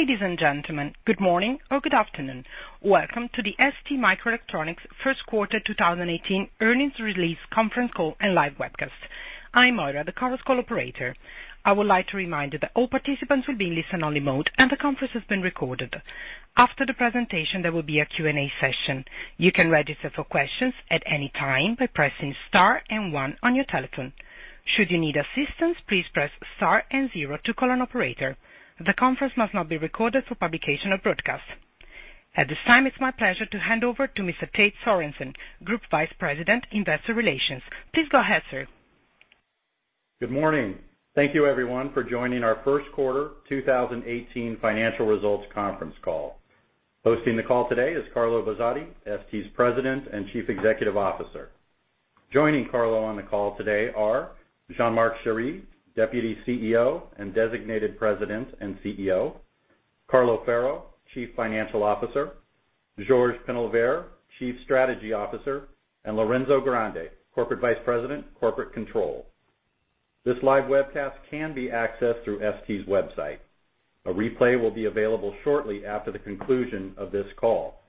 Ladies and gentlemen, good morning or good afternoon. Welcome to the STMicroelectronics first quarter 2018 earnings release conference call and live webcast. I am Aura, the conference call operator. I would like to remind you that all participants will be in listen-only mode, and the conference is being recorded. After the presentation, there will be a Q&A session. You can register for questions at any time by pressing star and one on your telephone. Should you need assistance, please press star and zero to call an operator. The conference must not be recorded for publication or broadcast. At this time, it is my pleasure to hand over to Mr. Tait Sorensen, Group Vice President, Investor Relations. Please go ahead, sir. Good morning. Thank you, everyone, for joining our first quarter 2018 financial results conference call. Hosting the call today is Carlo Bozotti, ST's President and Chief Executive Officer. Joining Carlo on the call today are Jean-Marc Chery, Deputy CEO and Designated President and CEO, Carlo Ferro, Chief Financial Officer, Georges Penalver, Chief Strategy Officer, and Lorenzo Grandi, Corporate Vice President, Corporate Control. This live webcast can be accessed through ST's website. A replay will be available shortly after the conclusion of this call.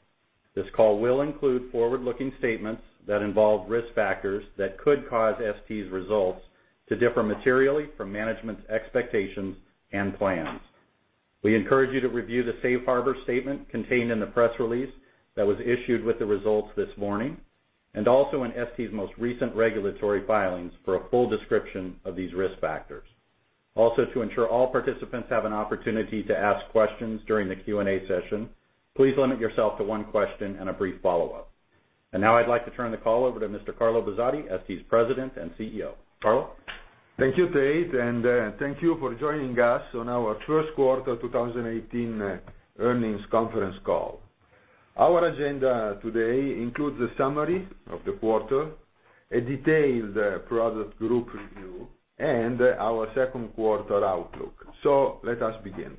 This call will include forward-looking statements that involve risk factors that could cause ST's results to differ materially from management's expectations and plans. We encourage you to review the safe harbor statement contained in the press release that was issued with the results this morning, and also in ST's most recent regulatory filings for a full description of these risk factors. To ensure all participants have an opportunity to ask questions during the Q&A session, please limit yourself to one question and a brief follow-up. Now I would like to turn the call over to Mr. Carlo Bozotti, ST's President and CEO. Carlo? Thank you, Tait, and thank you for joining us on our first quarter 2018 earnings conference call. Our agenda today includes a summary of the quarter, a detailed product group review, and our second quarter outlook. Let us begin.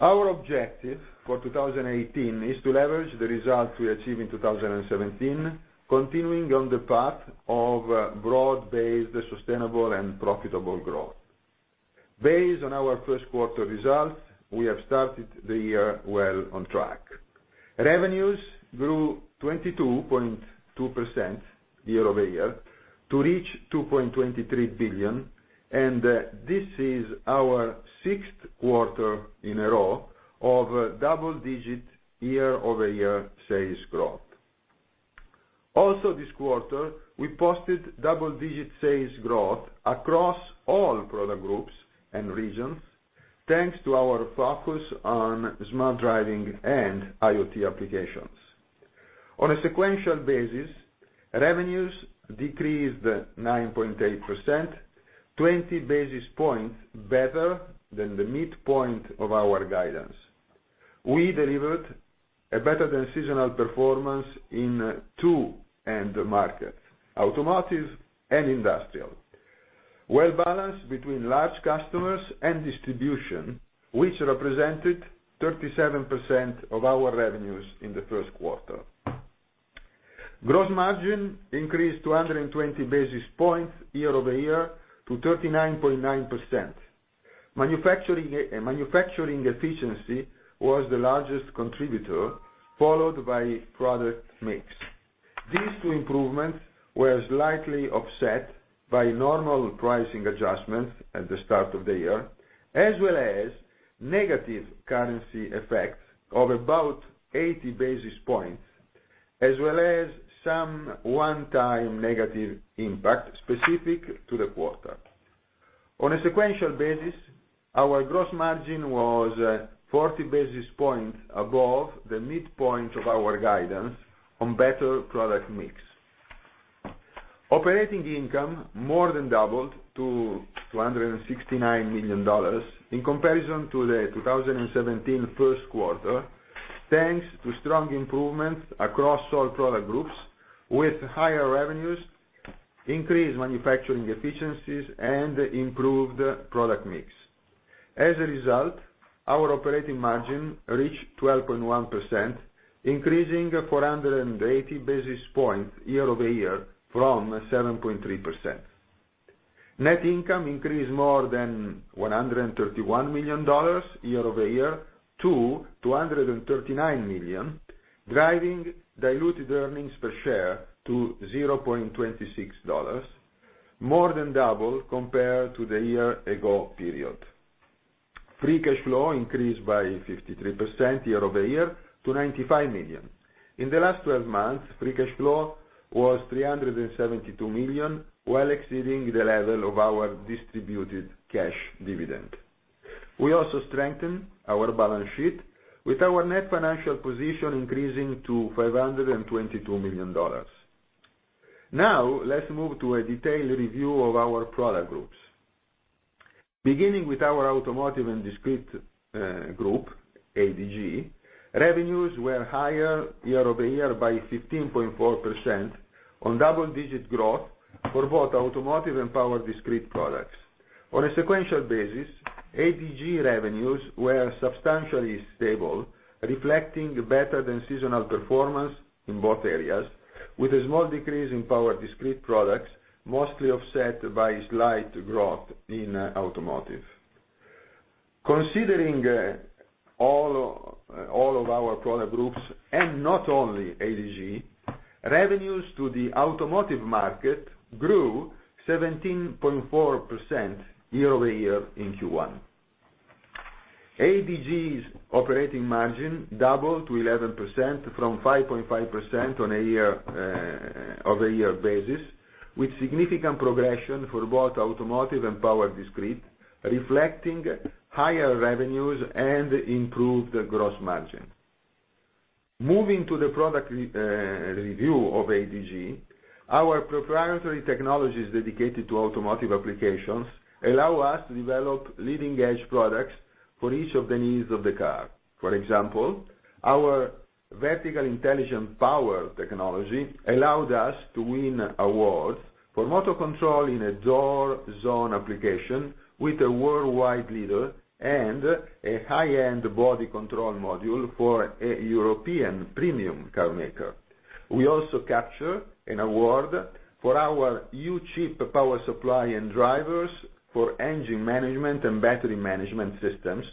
Our objective for 2018 is to leverage the results we achieved in 2017, continuing on the path of broad-based, sustainable, and profitable growth. Based on our first quarter results, we have started the year well on track. Revenues grew 22.2% year-over-year to reach $2.23 billion, and this is our sixth quarter in a row of double-digit year-over-year sales growth. This quarter, we posted double-digit sales growth across all product groups and regions, thanks to our focus on smart driving and IoT applications. On a sequential basis, revenues decreased 9.8%, 20 basis points better than the midpoint of our guidance. We delivered a better-than-seasonal performance in two end markets, automotive and industrial, well-balanced between large customers and distribution, which represented 37% of our revenues in the first quarter. Gross margin increased 220 basis points year-over-year to 39.9%. Manufacturing efficiency was the largest contributor, followed by product mix. These two improvements were slightly offset by normal pricing adjustments at the start of the year, as well as negative currency effects of about 80 basis points, as well as some one-time negative impact specific to the quarter. On a sequential basis, our gross margin was 40 basis points above the midpoint of our guidance on better product mix. Operating income more than doubled to EUR 269 million in comparison to the 2017 first quarter, thanks to strong improvements across all product groups with higher revenues, increased manufacturing efficiencies, and improved product mix. As a result, our operating margin reached 12.1%, increasing 480 basis points year-over-year from 7.3%. Net income increased more than EUR 131 million year-over-year to 239 million, driving diluted earnings per share to EUR 0.26, more than double compared to the year ago period. Free cash flow increased by 53% year-over-year to 95 million. In the last 12 months, free cash flow was 372 million, well exceeding the level of our distributed cash dividend. We also strengthened our balance sheet, with our net financial position increasing to EUR 522 million. Now, let's move to a detailed review of our product groups. Beginning with our automotive and discrete group, ADG, revenues were higher year-over-year by 15.4% on double-digit growth for both automotive and power discrete products. On a sequential basis, ADG revenues were substantially stable, reflecting better than seasonal performance in both areas with a small decrease in power discrete products, mostly offset by slight growth in automotive. Considering all of our product groups and not only ADG, revenues to the automotive market grew 17.4% year-over-year in Q1. ADG's operating margin doubled to 11% from 5.5% on a year-over-year basis, with significant progression for both automotive and power discrete, reflecting higher revenues and improved gross margin. Moving to the product review of ADG, our proprietary technologies dedicated to automotive applications allow us to develop leading-edge products for each of the needs of the car. For example, our vertical intelligent power technology allowed us to win awards for motor control in a door zone application with a worldwide leader and a high-end body control module for a European premium car maker. We also captured an award for our U-chip power supply and drivers for engine management and battery management systems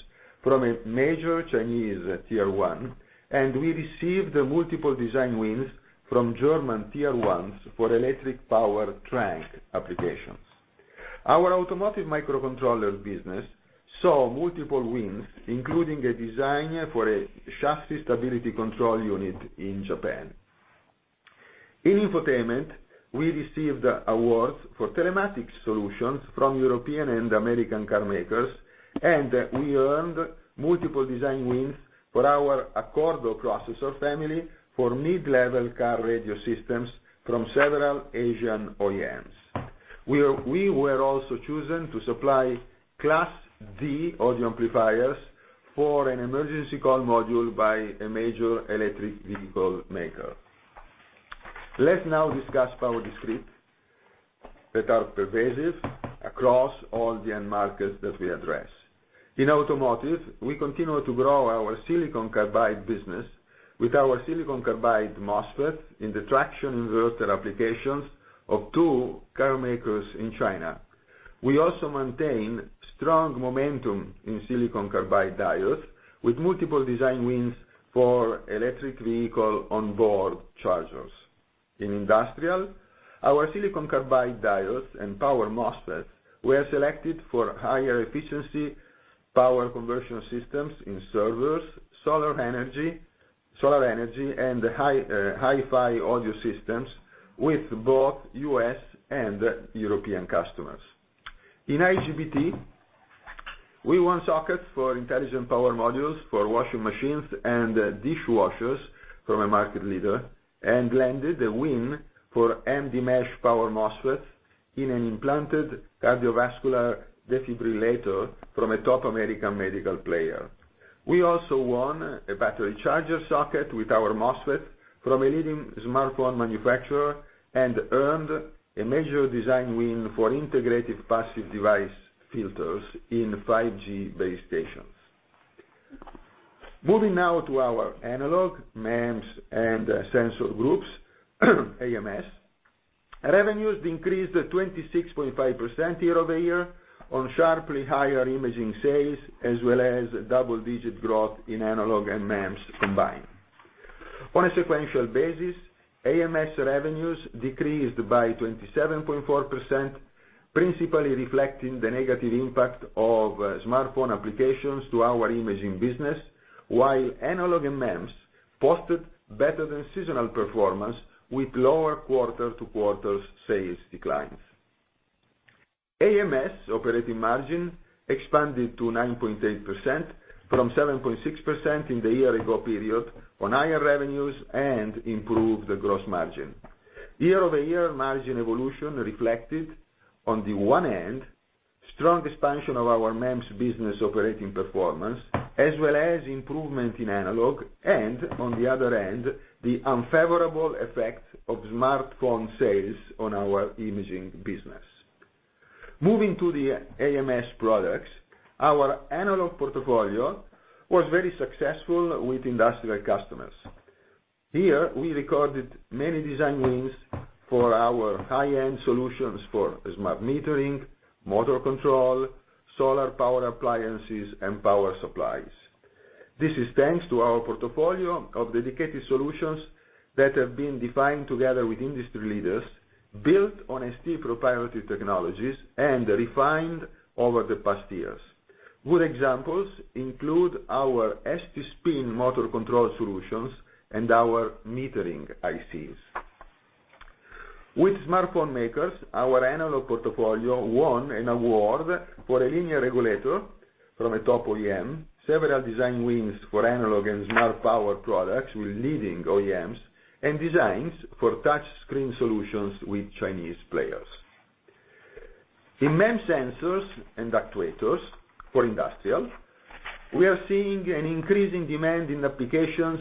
from a major Chinese Tier 1, and we received multiple design wins from German Tier 1s for electric power trunk applications. Our automotive microcontroller business saw multiple wins, including a design for a chassis stability control unit in Japan. In infotainment, we received awards for telematics solutions from European and American car makers, and we earned multiple design wins for our Accordo processor family for mid-level car radio systems from several Asian OEMs. We were also chosen to supply Class D audio amplifiers for an emergency call module by a major electric vehicle maker. Let's now discuss power discrete that are pervasive across all the end markets that we address. In automotive, we continue to grow our silicon carbide business with our silicon carbide MOSFET in the traction inverter applications of two car makers in China. We also maintain strong momentum in silicon carbide diodes with multiple design wins for electric vehicle onboard chargers. In industrial, our silicon carbide diodes and power MOSFETs were selected for higher efficiency power conversion systems in servers, solar energy, and hi-fi audio systems with both U.S. and European customers. In IGBT, we won sockets for intelligent power modules for washing machines and dishwashers from a market leader and landed a win for MDmesh power MOSFETs in an implanted cardiovascular defibrillator from a top American medical player. We also won a battery charger socket with our MOSFET from a leading smartphone manufacturer and earned a major design win for integrated passive device filters in 5G base stations. Moving now to our analog, MEMS and sensor groups, AMS. Revenues increased 26.5% year-over-year on sharply higher imaging sales as well as double-digit growth in analog and MEMS combined. On a sequential basis, AMS revenues decreased by 27.4%, principally reflecting the negative impact of smartphone applications to our imaging business, while analog and MEMS posted better than seasonal performance with lower quarter-to-quarter sales declines. AMS operating margin expanded to 9.8% from 7.6% in the year-ago period on higher revenues and improved gross margin. Year-over-year margin evolution reflected on the one end, strong expansion of our MEMS business operating performance, as well as improvement in analog, and on the other end, the unfavorable effect of smartphone sales on our imaging business. Moving to the AMS products, our analog portfolio was very successful with industrial customers. Here, we recorded many design wins for our high-end solutions for smart metering, motor control, solar power appliances, and power supplies. This is thanks to our portfolio of dedicated solutions that have been defined together with industry leaders, built on ST proprietary technologies and refined over the past years. Good examples include our STSPIN motor control solutions and our metering ICs. With smartphone makers, our analog portfolio won an award for a linear regulator from a top OEM, several design wins for analog and smart power products with leading OEMs, and designs for touch screen solutions with Chinese players. In MEMS sensors and actuators for industrial, we are seeing an increasing demand in applications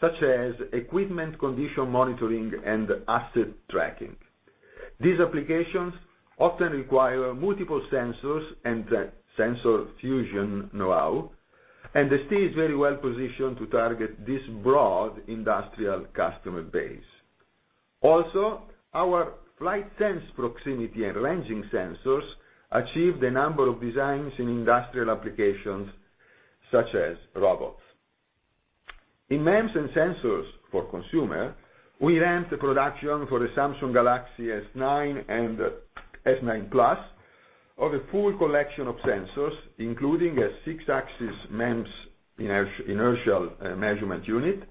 such as equipment condition monitoring and asset tracking. These applications often require multiple sensors and sensor fusion know-how, and ST is very well positioned to target this broad industrial customer base. Our FlightSense proximity and ranging sensors achieved a number of designs in industrial applications such as robots. In MEMS and sensors for consumer, we ramped the production for the Samsung Galaxy S9 and S9+ of a full collection of sensors, including a 6-axis MEMS inertial measurement unit,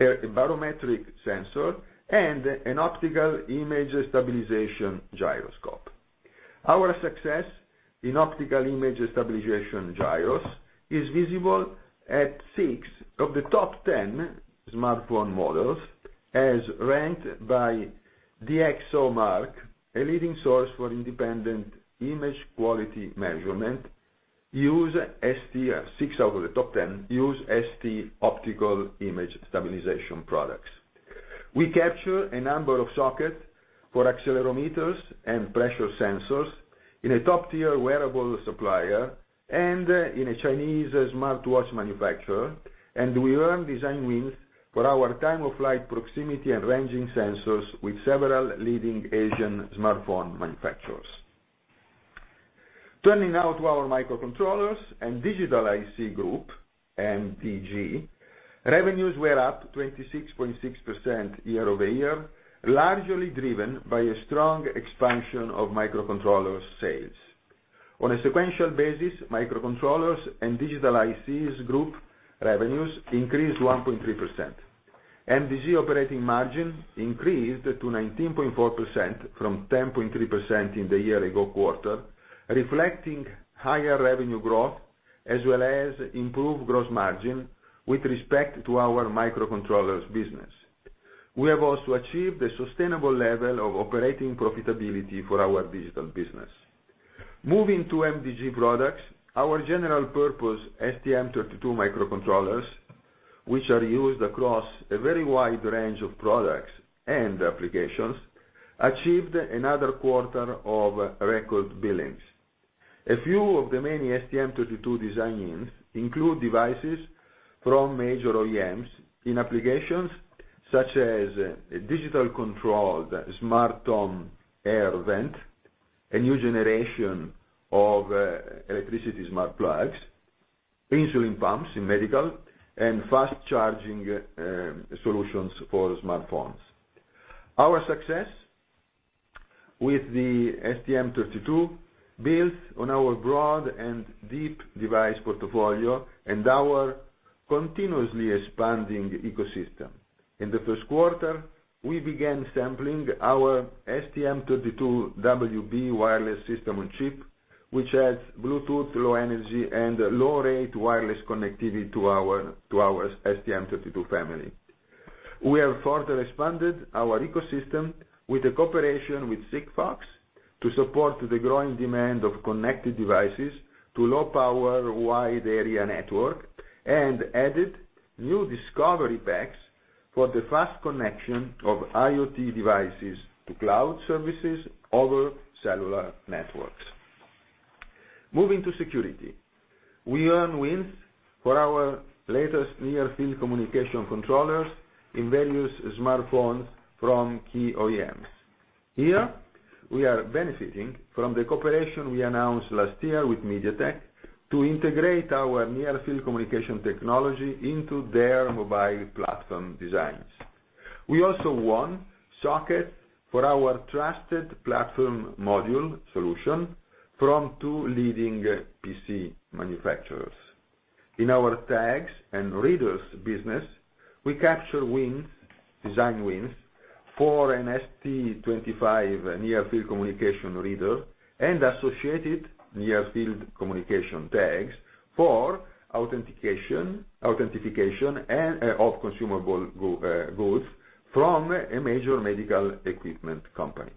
a barometric sensor, and an optical image stabilization gyroscope. Our success in optical image stabilization gyros is visible at six of the top 10 smartphone models as ranked by DxOMark, a leading source for independent image quality measurement. Six out of the top 10 use ST optical image stabilization products. We capture a number of sockets for accelerometers and pressure sensors in a top-tier wearable supplier and in a Chinese smartwatch manufacturer, and we earn design wins for our time-of-flight proximity and ranging sensors with several leading Asian smartphone manufacturers. Turning now to our microcontrollers and digital IC group, MDG, revenues were up 26.6% year-over-year, largely driven by a strong expansion of microcontroller sales. On a sequential basis, microcontrollers and digital ICs group revenues increased 1.3%. MDG operating margin increased to 19.4% from 10.3% in the year-ago quarter, reflecting higher revenue growth as well as improved gross margin with respect to our microcontrollers business. We have also achieved a sustainable level of operating profitability for our digital business. Moving to MDG products, our general purpose STM32 microcontrollers, which are used across a very wide range of products and applications, achieved another quarter of record billings. A few of the many STM32 design wins include devices from major OEMs in applications such as digital controlled smart home air vent, a new generation of electricity smart plugs, insulin pumps in medical, and fast-charging solutions for smartphones. Our success with the STM32 builds on our broad and deep device portfolio and our continuously expanding ecosystem. In the first quarter, we began sampling our STM32WB wireless system on chip, which adds Bluetooth Low Energy and low-rate wireless connectivity to our STM32 family. We have further expanded our ecosystem with a cooperation with Sigfox to support the growing demand of connected devices to low-power wide-area network and added new discovery packs for the fast connection of IoT devices to cloud services over cellular networks. Moving to security. We earn wins for our latest near-field communication controllers in various smartphones from key OEMs. Here, we are benefiting from the cooperation we announced last year with MediaTek to integrate our near-field communication technology into their mobile platform designs. We also won sockets for our trusted platform module solution from two leading PC manufacturers. In our tags and readers business, we capture design wins for an ST25 near-field communication reader and associated near-field communication tags for authentication of consumable goods from a major medical equipment company.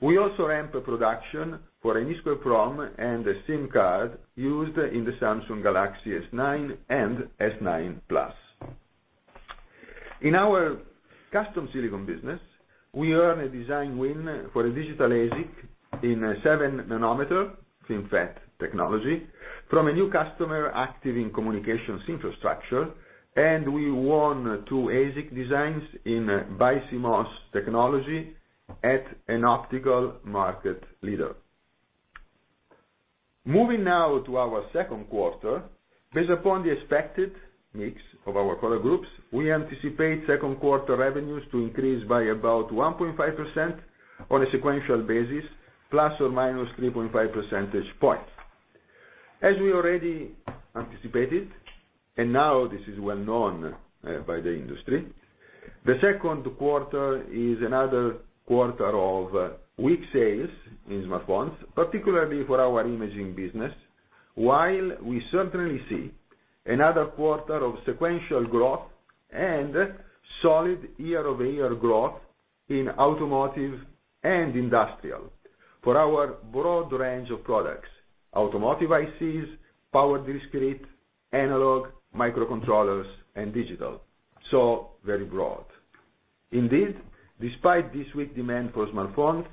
We also ramped the production for an eSPI ROM and a SIM card used in the Samsung Galaxy S9 and S9+. In our custom silicon business, we earn a design win for a digital ASIC in a seven-nanometer FinFET technology from a new customer active in communications infrastructure, and we won two ASIC designs in BiCMOS technology at an optical market leader. Moving now to our second quarter. Based upon the expected mix of our product groups, we anticipate second quarter revenues to increase by about 1.5% on a sequential basis, plus or minus 3.5 percentage points. As we already anticipated, and now this is well-known by the industry, the second quarter is another quarter of weak sales in smartphones, particularly for our imaging business, while we certainly see another quarter of sequential growth and solid year-over-year growth in automotive and industrial for our broad range of products: automotive ICs, power discrete, analog, microcontrollers, and digital. Indeed, despite this weak demand for smartphones,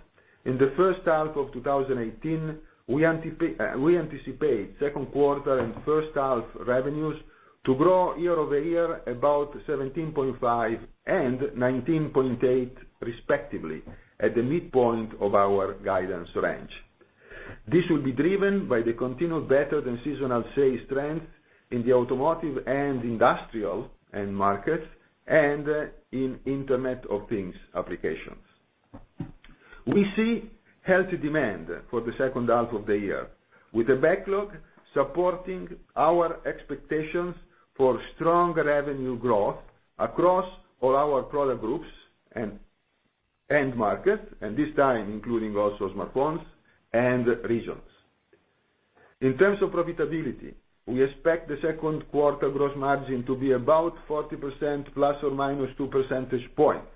in the first half of 2018, we anticipate second quarter and first half revenues to grow year-over-year about 17.5% and 19.8% respectively, at the midpoint of our guidance range. This will be driven by the continued better than seasonal sales trend in the automotive and industrial end markets and in Internet of Things applications. We see healthy demand for the second half of the year, with the backlog supporting our expectations for strong revenue growth across all our product groups and end markets, and this time including also smartphones and regions. In terms of profitability, we expect the second quarter gross margin to be about 40%, ±2 percentage points.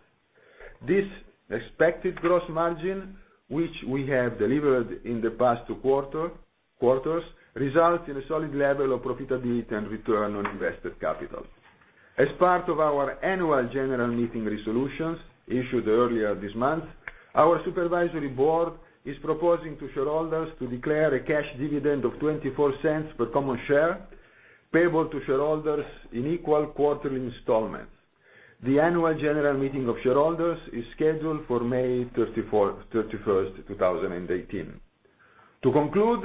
This expected gross margin, which we have delivered in the past two quarters, results in a solid level of profitability and return on invested capital. As part of our annual general meeting resolutions issued earlier this month, our supervisory board is proposing to shareholders to declare a cash dividend of 0.24 per common share, payable to shareholders in equal quarterly installments. The annual general meeting of shareholders is scheduled for May 31st, 2018. To conclude,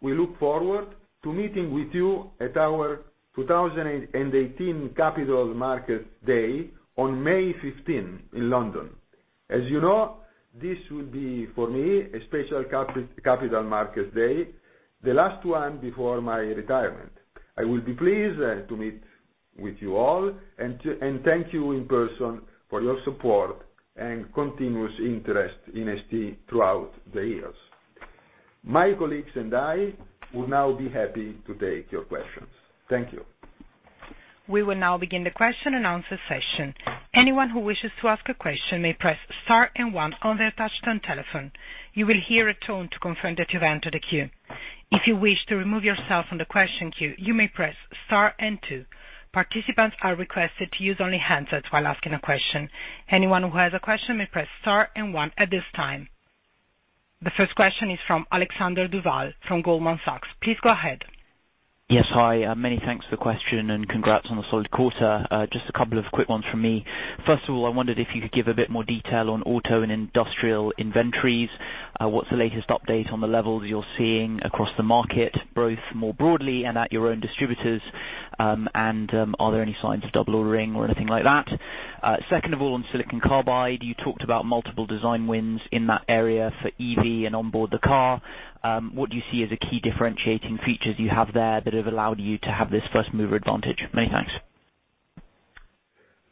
we look forward to meeting with you at our 2018 Capital Markets Day on May 15 in London. As you know, this will be, for me, a special Capital Markets Day, the last one before my retirement. I will be pleased to meet with you all and thank you in person for your support and continuous interest in ST throughout the years. My colleagues and I will now be happy to take your questions. Thank you. We will now begin the question and answer session. Anyone who wishes to ask a question may press star and one on their touch-tone telephone. You will hear a tone to confirm that you've entered a queue. If you wish to remove yourself from the question queue, you may press star and two. Participants are requested to use only handsets while asking a question. Anyone who has a question may press star and one at this time. The first question is from Alexander Duval from Goldman Sachs. Please go ahead. Yes. Hi, many thanks for the question. Congrats on the solid quarter. Just a couple of quick ones from me. First of all, I wondered if you could give a bit more detail on auto and industrial inventories. What's the latest update on the levels you're seeing across the market, both more broadly and at your own distributors? Are there any signs of double ordering or anything like that? Second of all, on silicon carbide, you talked about multiple design wins in that area for EV and onboard the car. What do you see as the key differentiating features you have there that have allowed you to have this first-mover advantage? Many thanks.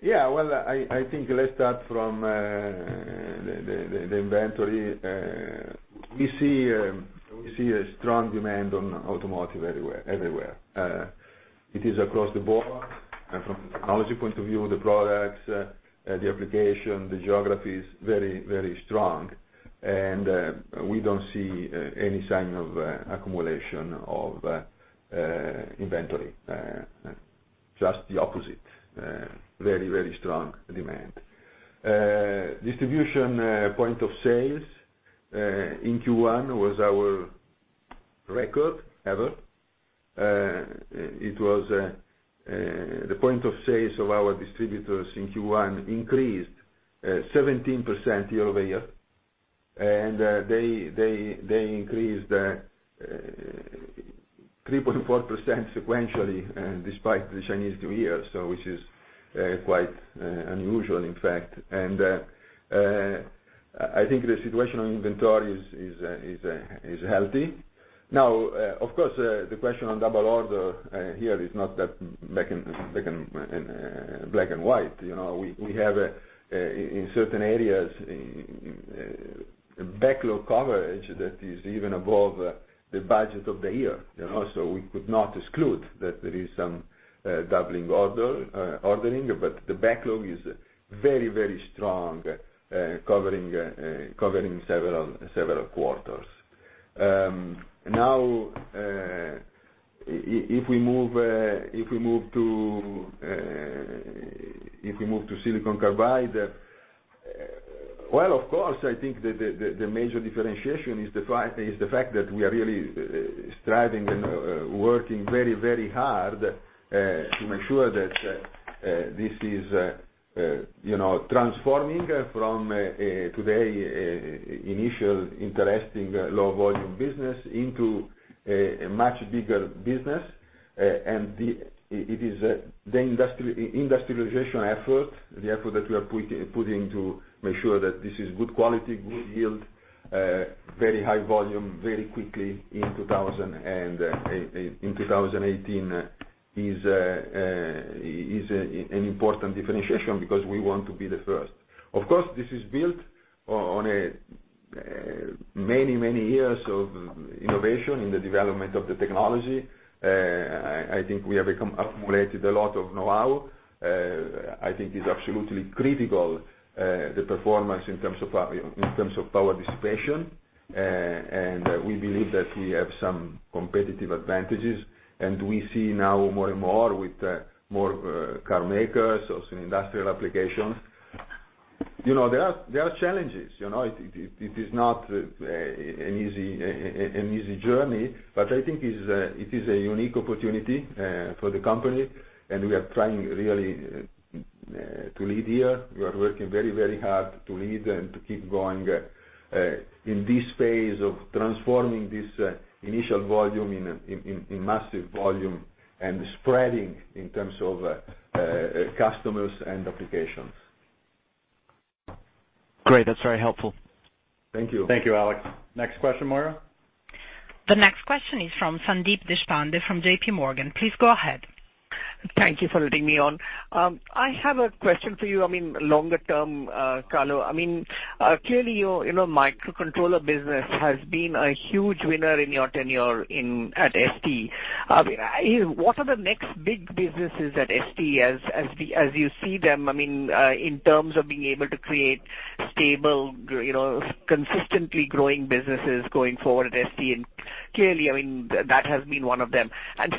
I think let's start from the inventory. We see a strong demand on automotive everywhere. It is across the board from technology point of view, the products, the application, the geography is very strong, we don't see any sign of accumulation of inventory. Just the opposite. Very strong demand. Distribution point of sales in Q1 was our record ever. The point of sales of our distributors in Q1 increased 17% year-over-year. They increased 3.4% sequentially despite the Chinese New Year, which is quite unusual, in fact. I think the situation on inventory is healthy. Of course, the question on double order here is not that black and white. We have, in certain areas, a backlog coverage that is even above the budget of the year. We could not exclude that there is some doubling ordering, the backlog is very strong, covering several quarters. If we move to silicon carbide, of course, I think the major differentiation is the fact that we are really striving and working very hard to make sure that this is transforming from today initial interesting low volume business into a much bigger business. It is the industrialization effort, the effort that we are putting to make sure that this is good quality, good yield, very high volume, very quickly in 2018 is an important differentiation because we want to be the first. Of course, this is built on many years of innovation in the development of the technology. I think we have accumulated a lot of know-how. I think it's absolutely critical, the performance in terms of power dissipation. We believe that we have some competitive advantages, we see now more and more with more car makers, also in industrial applications. There are challenges. It is not an easy journey, I think it is a unique opportunity for the company, we are trying really to lead here. We are working very hard to lead and to keep going in this phase of transforming this initial volume in massive volume and spreading in terms of customers and applications. Great. That's very helpful. Thank you. Thank you, Alex. Next question, Mara. The next question is from Sandeep Deshpande from JPMorgan. Please go ahead. Thank you for letting me on. I have a question for you, longer term, Carlo. Clearly, your microcontroller business has been a huge winner in your tenure at ST. What are the next big businesses at ST as you see them, in terms of being able to create stable, consistently growing businesses going forward at ST? Clearly, that has been one of them.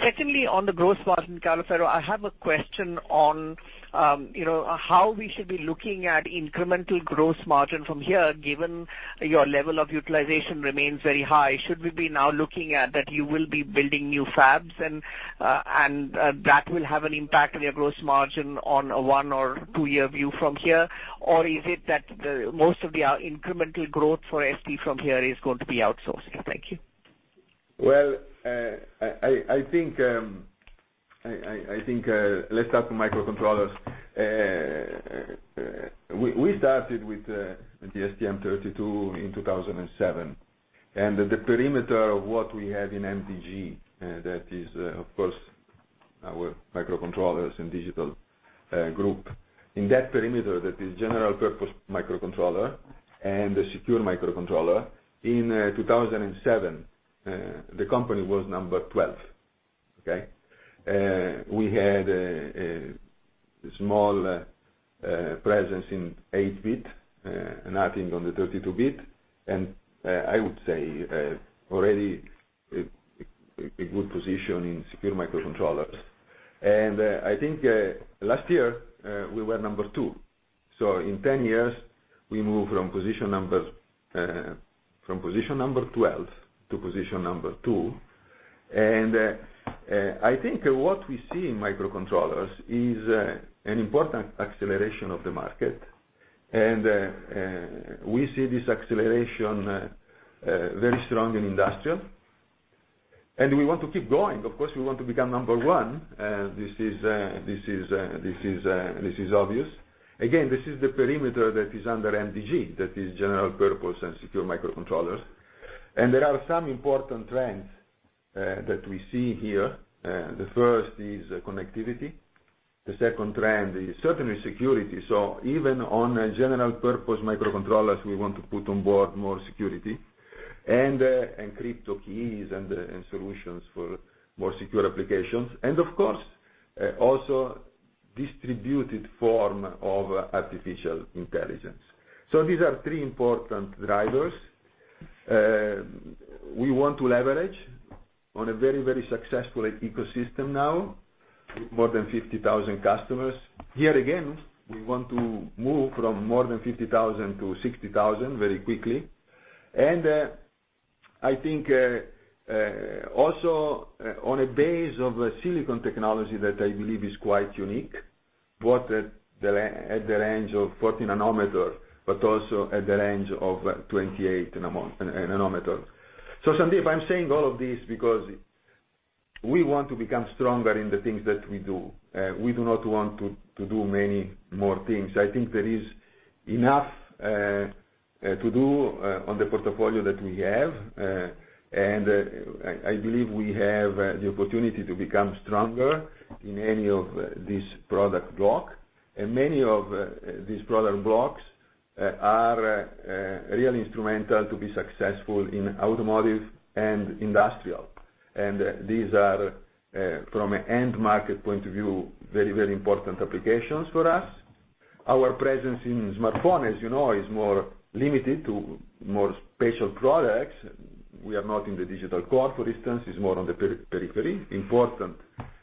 Secondly, on the gross margin, Carlo Ferro, I have a question on how we should be looking at incremental gross margin from here, given your level of utilization remains very high. Should we be now looking at that you will be building new fabs and that will have an impact on your gross margin on a one or two-year view from here? Is it that most of the incremental growth for ST from here is going to be outsourced? Thank you. I think, let's start from microcontrollers. We started with the STM32 in 2007, the perimeter of what we had in MDG, that is of course our microcontrollers and digital group. In that perimeter, that is general purpose microcontroller and the secure microcontroller. In 2007, the company was number 12, okay? We had a small presence in 8-bit, nothing on the 32-bit, I would say already a good position in secure microcontrollers. Last year, we were number two. In 10 years, we moved from position number 12 to position number two. What we see in microcontrollers is an important acceleration of the market, we see this acceleration very strong in industrial, we want to keep going. Of course, we want to become number one. This is obvious. Again, this is the perimeter that is under MDG, that is general purpose and secure microcontrollers. There are some important trends that we see here. The first is connectivity. The second trend is certainly security. Even on general purpose microcontrollers, we want to put on board more security and crypto keys and solutions for more secure applications. Of course, also distributed form of artificial intelligence. These are three important drivers. We want to leverage on a very successful ecosystem now, with more than 50,000 customers. Here again, we want to move from more than 50,000 to 60,000 very quickly. I think, also, on a base of silicon technology that I believe is quite unique, both at the range of 14 nanometer, but also at the range of 28 nanometer. Sandeep, I'm saying all of this because we want to become stronger in the things that we do. We do not want to do many more things. I think there is enough to do on the portfolio that we have, I believe we have the opportunity to become stronger in any of these product block. Many of these product blocks are really instrumental to be successful in automotive and industrial. These are, from an end market point of view, very important applications for us. Our presence in smartphone, as you know, is more limited to more special products. We are not in the digital core, for instance. It's more on the periphery, important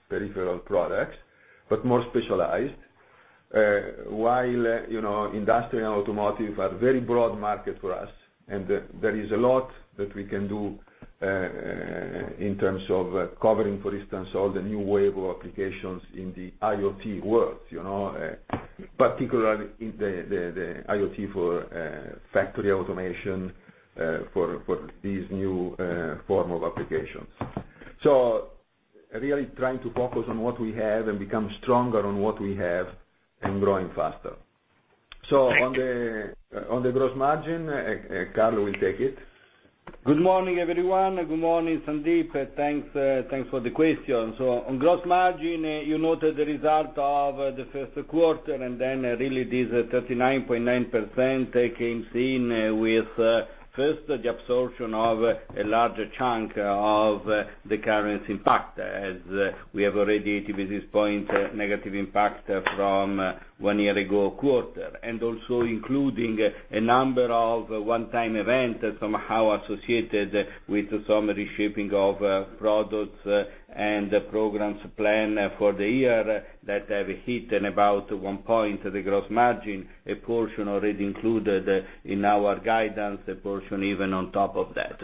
peripheral products, but more specialized. While industrial and automotive are very broad market for us, there is a lot that we can do in terms of covering, for instance, all the new wave of applications in the IoT world. Particularly the IoT for factory automation, for these new form of applications. Really trying to focus on what we have and become stronger on what we have and growing faster. Great. On the gross margin, Carlo will take it. Good morning, everyone. Good morning, Sandeep. Thanks for the question. On gross margin, you noted the result of the first quarter, and then really this 39.9% comes in with, first, the absorption of a larger chunk of the currency impact, as we have already 80 basis points negative impact from one year ago quarter. Also including a number of one-time event somehow associated with some reshaping of products and the programs plan for the year that have hit about one point the gross margin, a portion already included in our guidance, a portion even on top of that.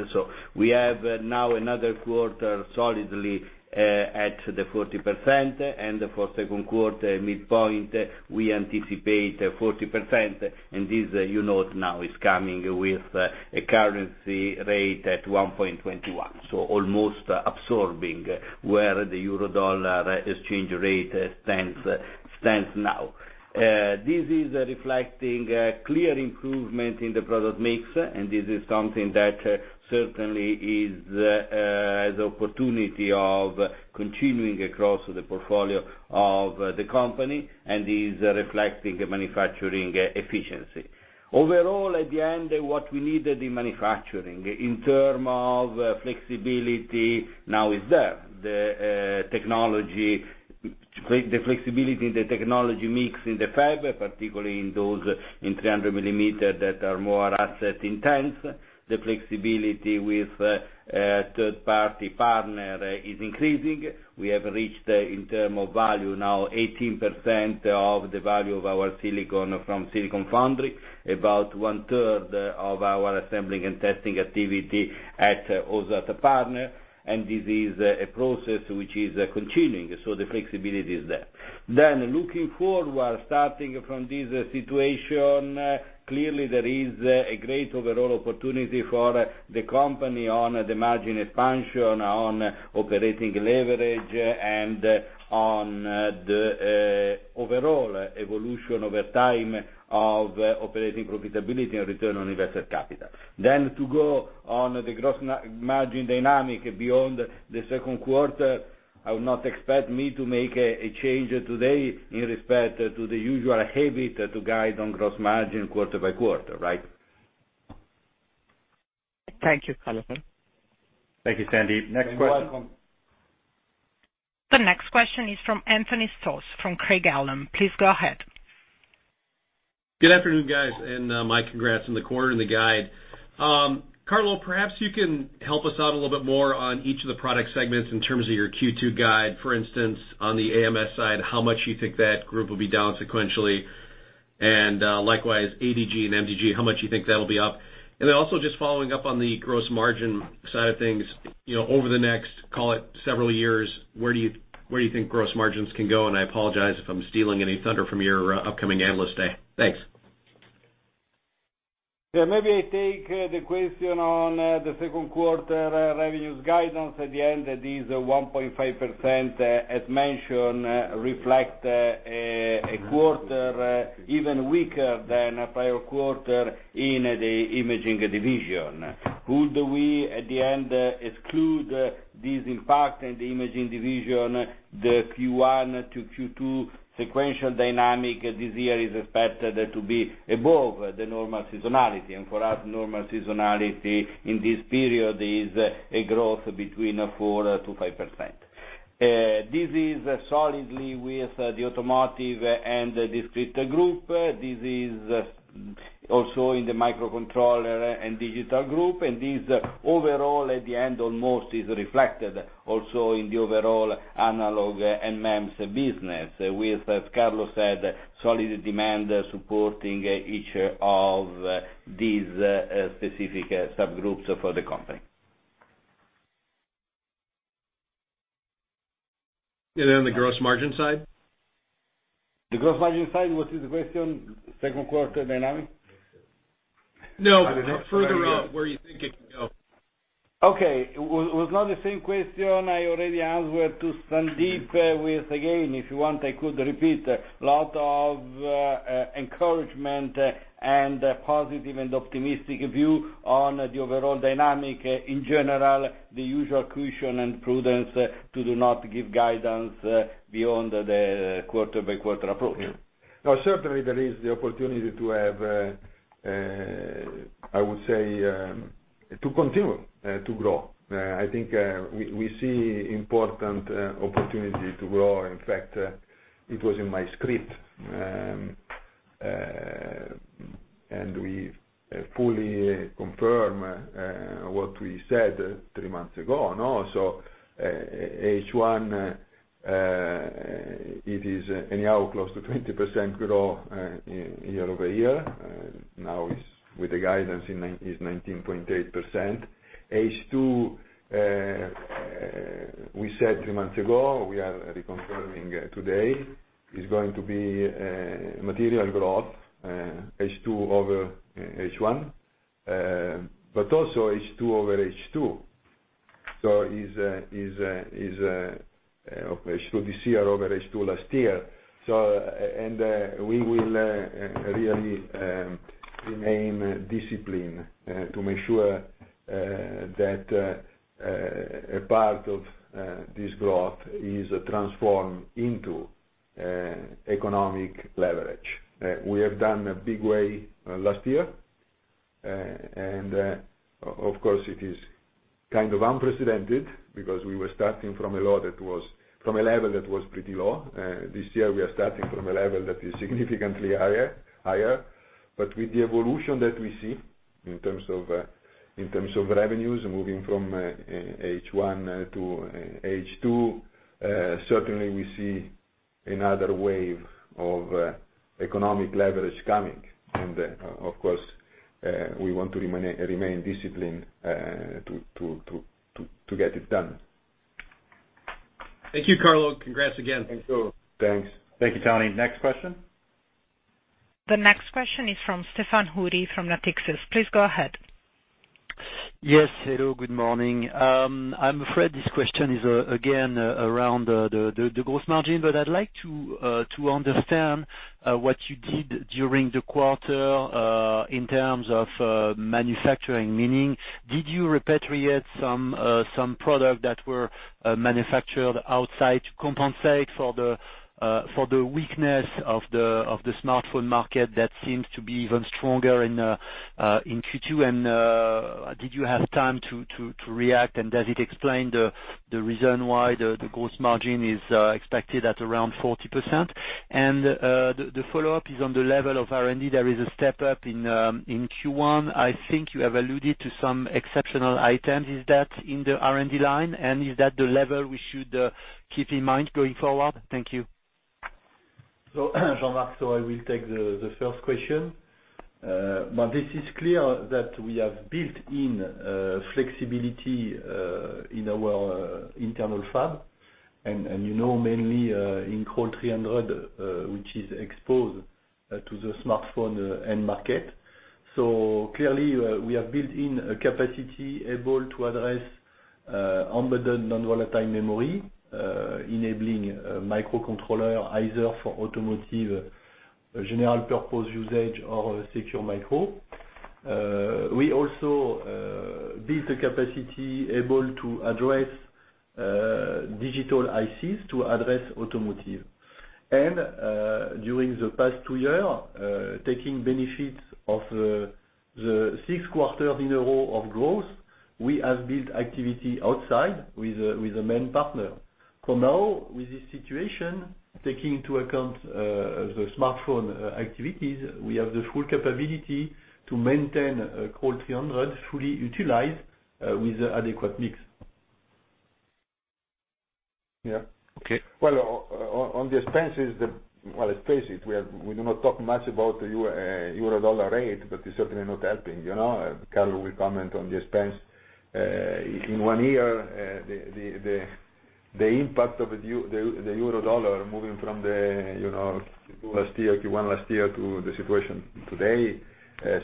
We have now another quarter solidly at the 40%, and for second quarter midpoint, we anticipate 40%. This you note now is coming with a currency rate at 1.21. Almost absorbing where the euro dollar exchange rate stands now. This is reflecting a clear improvement in the product mix, this is something that certainly has the opportunity of continuing across the portfolio of the company and is reflecting manufacturing efficiency. Overall, at the end, what we need in manufacturing, in terms of flexibility, now is there. The flexibility in the technology mix in the fab, particularly in those in 300 millimeter that are more asset intense. The flexibility with third-party partner is increasing. We have reached, in terms of value, now 18% of the value of our silicon from Silicon Foundry, about one third of our assembling and testing activity also at a partner. This is a process which is continuing, the flexibility is there. Looking forward, starting from this situation, clearly there is a great overall opportunity for the company on the margin expansion, on operating leverage, and on the overall evolution over time of operating profitability and return on invested capital. To go on the gross margin dynamic beyond the second quarter, I would not expect me to make a change today in respect to the usual habit to guide on gross margin quarter by quarter, right? Thank you, Carlo. Thank you, Sandeep. Next question. You're welcome. The next question is from Anthony Stoss from Craig-Hallum. Please go ahead. Good afternoon, guys, my congrats on the quarter and the guide. Carlo, perhaps you can help us out a little bit more on each of the product segments in terms of your Q2 guide. For instance, on the AMS side, how much do you think that group will be down sequentially? Likewise, ADG and MDG, how much do you think that'll be up? Also just following up on the gross margin side of things. Over the next, call it several years, where do you think gross margins can go? I apologize if I'm stealing any thunder from your upcoming analyst day. Thanks. Maybe I take the question on the second quarter revenues guidance at the end. That is 1.5%, as mentioned, reflect a quarter even weaker than prior quarter in the imaging division. Would we, at the end, exclude this impact in the imaging division? The Q1 to Q2 sequential dynamic this year is expected to be above the normal seasonality. For us, normal seasonality in this period is a growth between 4%-5%. This is solidly with the Automotive and Discrete Group. This is also in the Microcontroller and Digital Group. This overall, at the end, almost is reflected also in the overall Analog and MEMS business with, as Carlo said, solid demand supporting each of these specific subgroups for the company. On the gross margin side? The gross margin side, what is the question? Second quarter dynamic? No. Further out, where you think it could go. Okay. Was not the same question I already answered to Sandeep, with, again, if you want, I could repeat. Lot of encouragement and positive and optimistic view on the overall dynamic. In general, the usual caution and prudence to do not give guidance beyond the quarter-by-quarter approach. Yeah. Certainly there is the opportunity to, I would say, to continue to grow. I think we see important opportunity to grow. In fact, it was in my script, and we fully confirm what we said three months ago. H1, it is anyhow close to 20% growth year-over-year. Now with the guidance is 19.8%. H2, we said two months ago, we are reconfirming today, is going to be material growth, H2 over H1. Also H2 over H2. Is H2 this year over H2 last year. We will really remain disciplined to make sure that a part of this growth is transformed into economic leverage. We have done a big way last year, of course, it is kind of unprecedented because we were starting from a level that was pretty low. This year, we are starting from a level that is significantly higher. With the evolution that we see in terms of revenues moving from H1 to H2, certainly we see another wave of economic leverage coming. Of course, we want to remain disciplined to get it done. Thank you, Carlo. Congrats again. Thank you. Thanks. Thank you, Tony. Next question. The next question is from Stéphane Houri from Natixis. Please go ahead. Yes. Hello, good morning. I'm afraid this question is, again, around the gross margin, but I'd like to understand what you did during the quarter in terms of manufacturing. Meaning, did you repatriate some product that were manufactured outside to compensate for the weakness of the smartphone market that seems to be even stronger in Q2, and did you have time to react, and does it explain the reason why the gross margin is expected at around 40%? The follow-up is on the level of R&D. There is a step-up in Q1. I think you have alluded to some exceptional items. Is that in the R&D line, and is that the level we should keep in mind going forward? Thank you. Jean-Marc, I will take the first question. This is clear that we have built in flexibility in our internal fab, and you know, mainly in Crolles 300, which is exposed to the smartphone end market. Clearly, we have built in a capacity able to address embedded non-volatile memory, enabling microcontroller either for automotive, general purpose usage, or secure micro. We also built a capacity able to address digital ICs to address automotive. During the past two years, taking benefits of the six quarters in a row of growth, we have built activity outside with a main partner. Now with this situation, taking into account the smartphone activities, we have the full capability to maintain Crolles 300 fully utilized with adequate mix. Yeah. Okay. Well, on the expenses, well, let's face it, we do not talk much about the euro dollar rate, but it's certainly not helping. Carlo will comment on the expense. In one year, the impact of the euro dollar moving from Q1 last year to the situation today,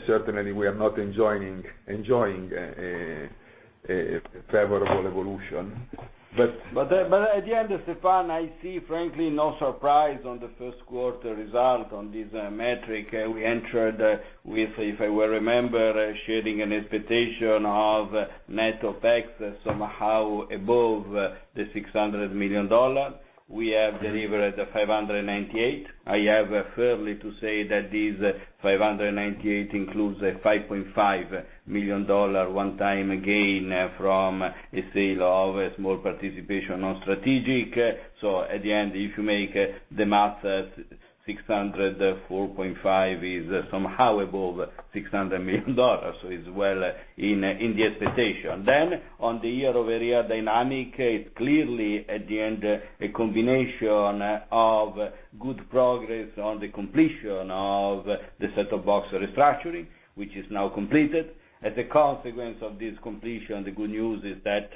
certainly we are not enjoying a favorable evolution. At the end, Stephane, I see frankly, no surprise on the first quarter result on this metric. We entered with, if I will remember, sharing an expectation of net of tax somehow above EUR 600 million. We have delivered 598 million. I have fairly to say that this 598 million includes a EUR 5.5 million one-time gain from a sale of a small participation on strategic. At the end, if you make the math, 604.5 million is somehow above EUR 600 million, so it's well in the expectation. On the year-over-year dynamic, it's clearly, at the end, a combination of good progress on the completion of the set-top box restructuring, which is now completed. As a consequence of this completion, the good news is that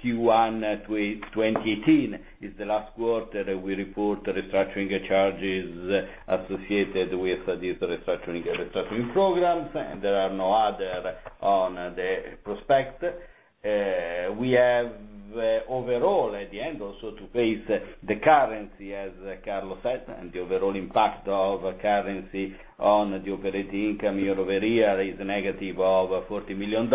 Q1 2018 is the last quarter that we report restructuring charges associated with these restructuring programs. There are no other on the prospect. We have overall, at the end, also to face the currency, as Carlo said, the overall impact of currency on the operating income year-over-year is negative of EUR 40 million.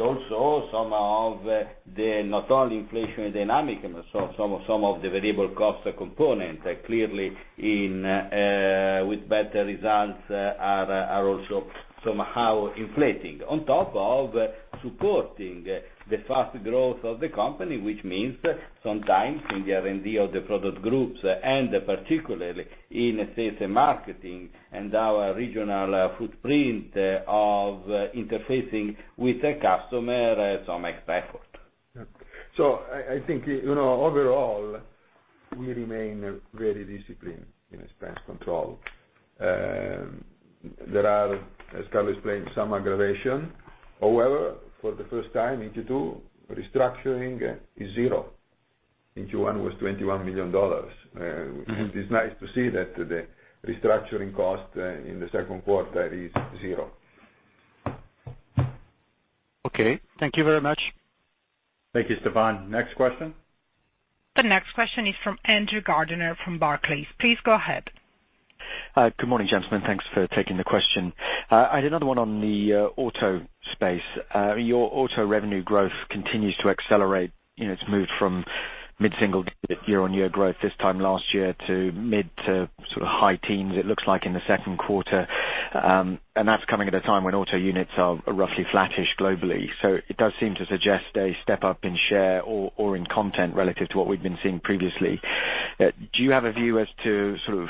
Also some of the not only inflation dynamic, some of the variable cost component, clearly with better results, are also somehow inflating. On top of supporting the fast growth of the company, which means sometimes in the R&D of the product groups, and particularly in sales and marketing and our regional footprint of interfacing with the customer, some effort. I think overall, we remain very disciplined in expense control. There are, as Carlo explained, some aggravation. However, for the first time in Q2, restructuring is zero. In Q1 was EUR 21 million. It's nice to see that the restructuring cost in the second quarter is zero. Okay. Thank you very much. Thank you, Stephane. Next question. The next question is from Andrew Gardiner from Barclays. Please go ahead. Good morning, gentlemen. Thanks for taking the question. I had another one on the auto space. Your auto revenue growth continues to accelerate. It's moved from mid-single digit year-on-year growth this time last year to mid to sort of high teens, it looks like in the second quarter. That's coming at a time when auto units are roughly flattish globally. It does seem to suggest a step up in share or in content relative to what we've been seeing previously. Do you have a view as to sort of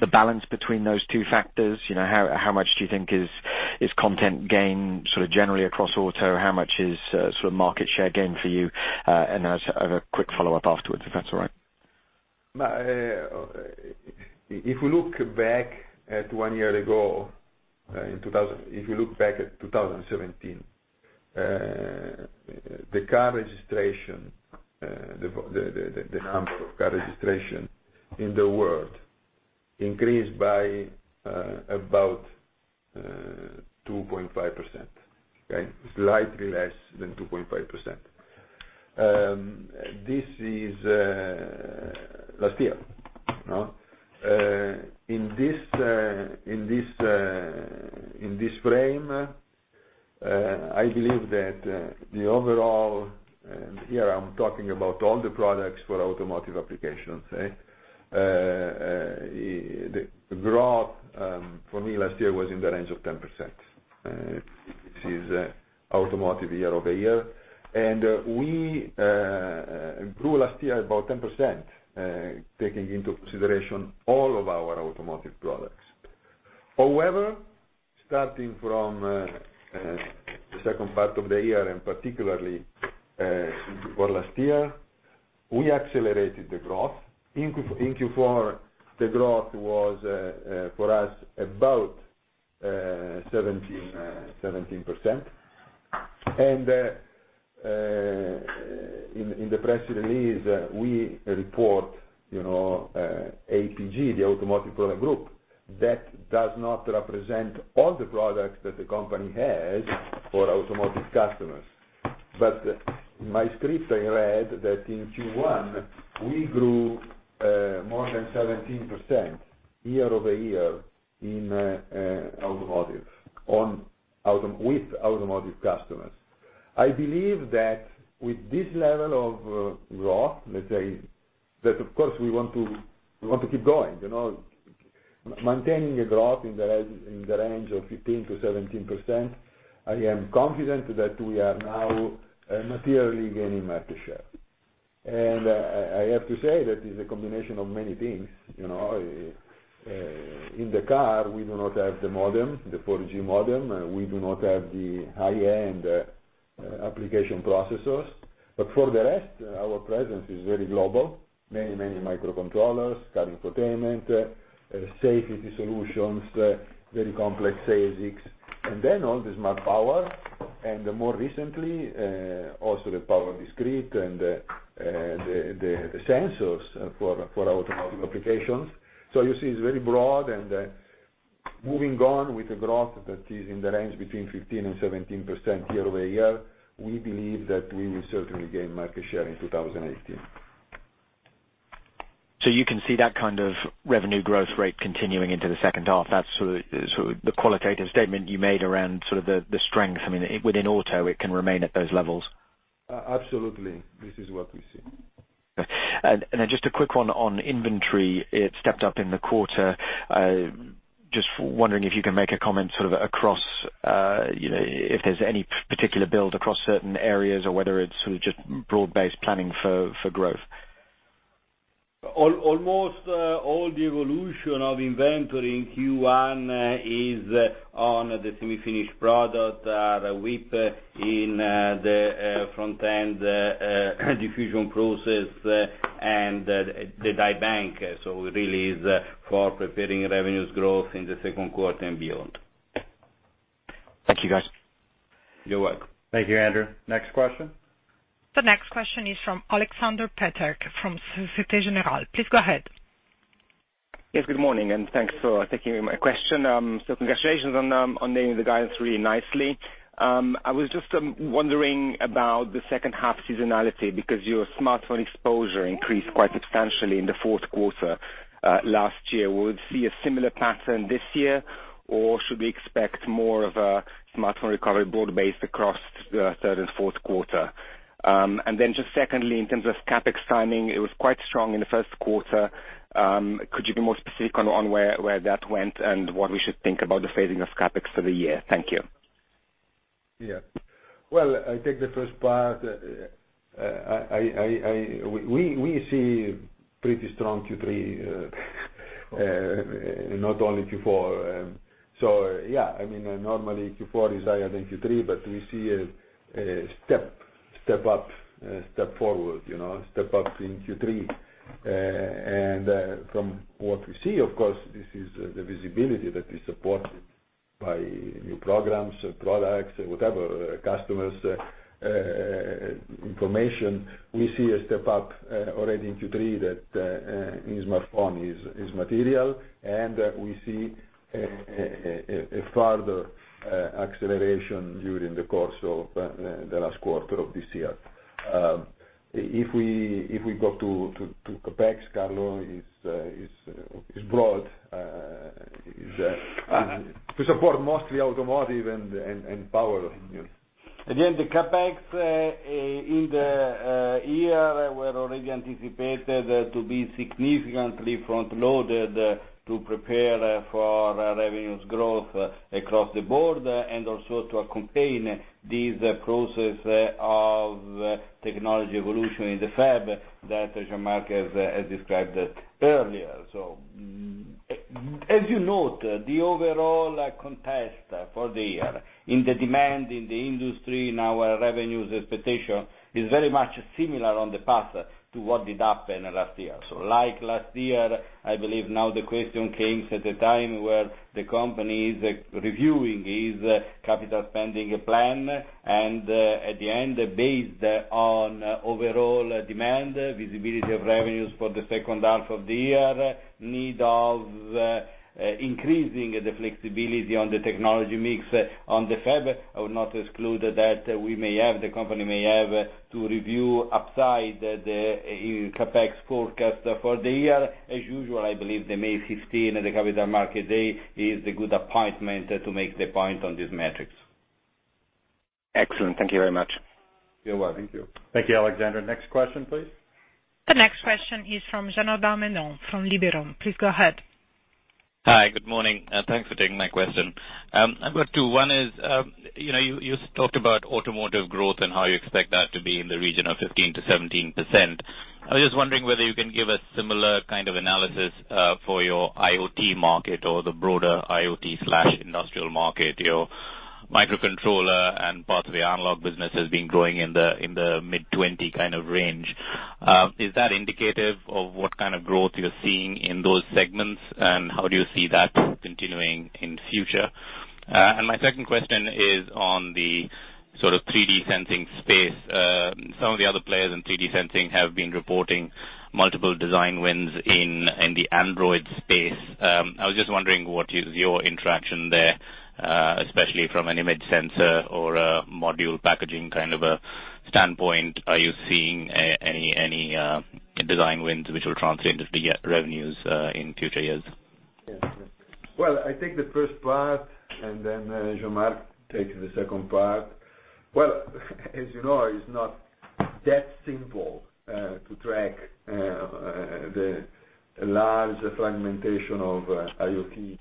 the balance between those two factors? How much do you think is content gain sort of generally across auto? How much is sort of market share gain for you? I have a quick follow-up afterwards, if that's all right. If we look back at one year ago, if you look back at 2017, the car registration, the number of car registration in the world increased by about 2.5%. Slightly less than 2.5%. This is last year. In this frame, I believe that the overall, here I'm talking about all the products for automotive applications. The growth, for me last year was in the range of 10%, which is automotive year-over-year. We grew last year about 10%, taking into consideration all of our automotive products. However, starting from the second part of the year, and particularly Q1 last year, we accelerated the growth. In Q4, the growth was, for us, about 17%. In the press release, we report APG, the Automotive Product Group. That does not represent all the products that the company has for automotive customers. My script, I read that in Q1, we grew more than 17% year-over-year in automotive, with automotive customers. I believe that with this level of growth, let's say that, of course, we want to keep growing. Maintaining a growth in the range of 15%-17%, I am confident that we are now materially gaining market share. I have to say that it's a combination of many things. In the car, we do not have the modem, the 4G modem. We do not have the high-end application processors. For the rest, our presence is very global. Many microcontrollers, car infotainment, safety solutions, very complex ASICs. All the smart power, and more recently, also the power discrete and the sensors for automotive applications. You see, it's very broad. Moving on with the growth that is in the range between 15% and 17% year-over-year, we believe that we will certainly gain market share in 2018. You can see that kind of revenue growth rate continuing into the second half. That's sort of the qualitative statement you made around sort of the strength. I mean, within auto, it can remain at those levels. Absolutely. This is what we see. Okay. Then just a quick one on inventory. It stepped up in the quarter. Just wondering if you can make a comment sort of across, if there's any particular build across certain areas or whether it's sort of just broad-based planning for growth. Almost all the evolution of inventory in Q1 is on the semi-finished product, the WIP in the front-end diffusion process and the die bank. Really is for preparing revenues growth in the second quarter and beyond. Thank you, guys. You're welcome. Thank you, Andrew. Next question. The next question is from Aleksander Peterc from Societe Generale. Please go ahead. Yes, good morning, and thanks for taking my question. Congratulations on nailing the guidance really nicely. I was just wondering about the second half seasonality because your smartphone exposure increased quite substantially in the fourth quarter last year. Will we see a similar pattern this year, or should we expect more of a smartphone recovery broad-based across the third and fourth quarter? Then just secondly, in terms of CapEx timing, it was quite strong in the first quarter. Could you be more specific on where that went and what we should think about the phasing of CapEx for the year? Thank you. Well, I take the first part. We see pretty strong Q3, not only Q4. I mean, normally Q4 is higher than Q3, but we see a step up, a step forward. A step up in Q3. From what we see, of course, this is the visibility that we supported by new programs or products or whatever customers' information, we see a step up already in Q3 that is much, for one, material, and we see a further acceleration during the course of the last quarter of this year. If we go to CapEx, Carlo, is broad, to support mostly automotive and power. The CapEx in the year were already anticipated to be significantly front-loaded to prepare for revenues growth across the board and also to accompany this process of technology evolution in the fab that Jean-Marc has described earlier. As you note, the overall contest for the year in the demand, in the industry, in our revenues expectation, is very much similar on the path to what did happen last year. Like last year, I believe now the question comes at a time where the company is reviewing its capital spending plan, and at the end, based on overall demand, visibility of revenues for the second half of the year, need of increasing the flexibility on the technology mix on the fab. I would not exclude that the company may have to review upside the CapEx forecast for the year. I believe the May 15, the Capital Markets Day, is a good appointment to make the point on these metrics. Excellent. Thank you very much. You're welcome. Thank you. Thank you, Alexander. Next question, please. The next question is from Janardan Menon from Liberum. Please go ahead. Hi, good morning. Thanks for taking my question. I've got two. One is, you talked about automotive growth and how you expect that to be in the region of 15%-17%. I was just wondering whether you can give a similar kind of analysis for your IoT market or the broader IoT/industrial market. Your microcontroller and parts of the analog business has been growing in the mid-20% kind of range. Is that indicative of what kind of growth you're seeing in those segments, and how do you see that continuing in future? My second question is on the sort of 3D sensing space. Some of the other players in 3D sensing have been reporting multiple design wins in the Android space. I was just wondering what is your interaction there, especially from an image sensor or a module packaging kind of a standpoint. Are you seeing any design wins which will translate into revenues in future years? I take the first part, Jean-Marc takes the second part. As you know, it's not that simple to track the large fragmentation of IoT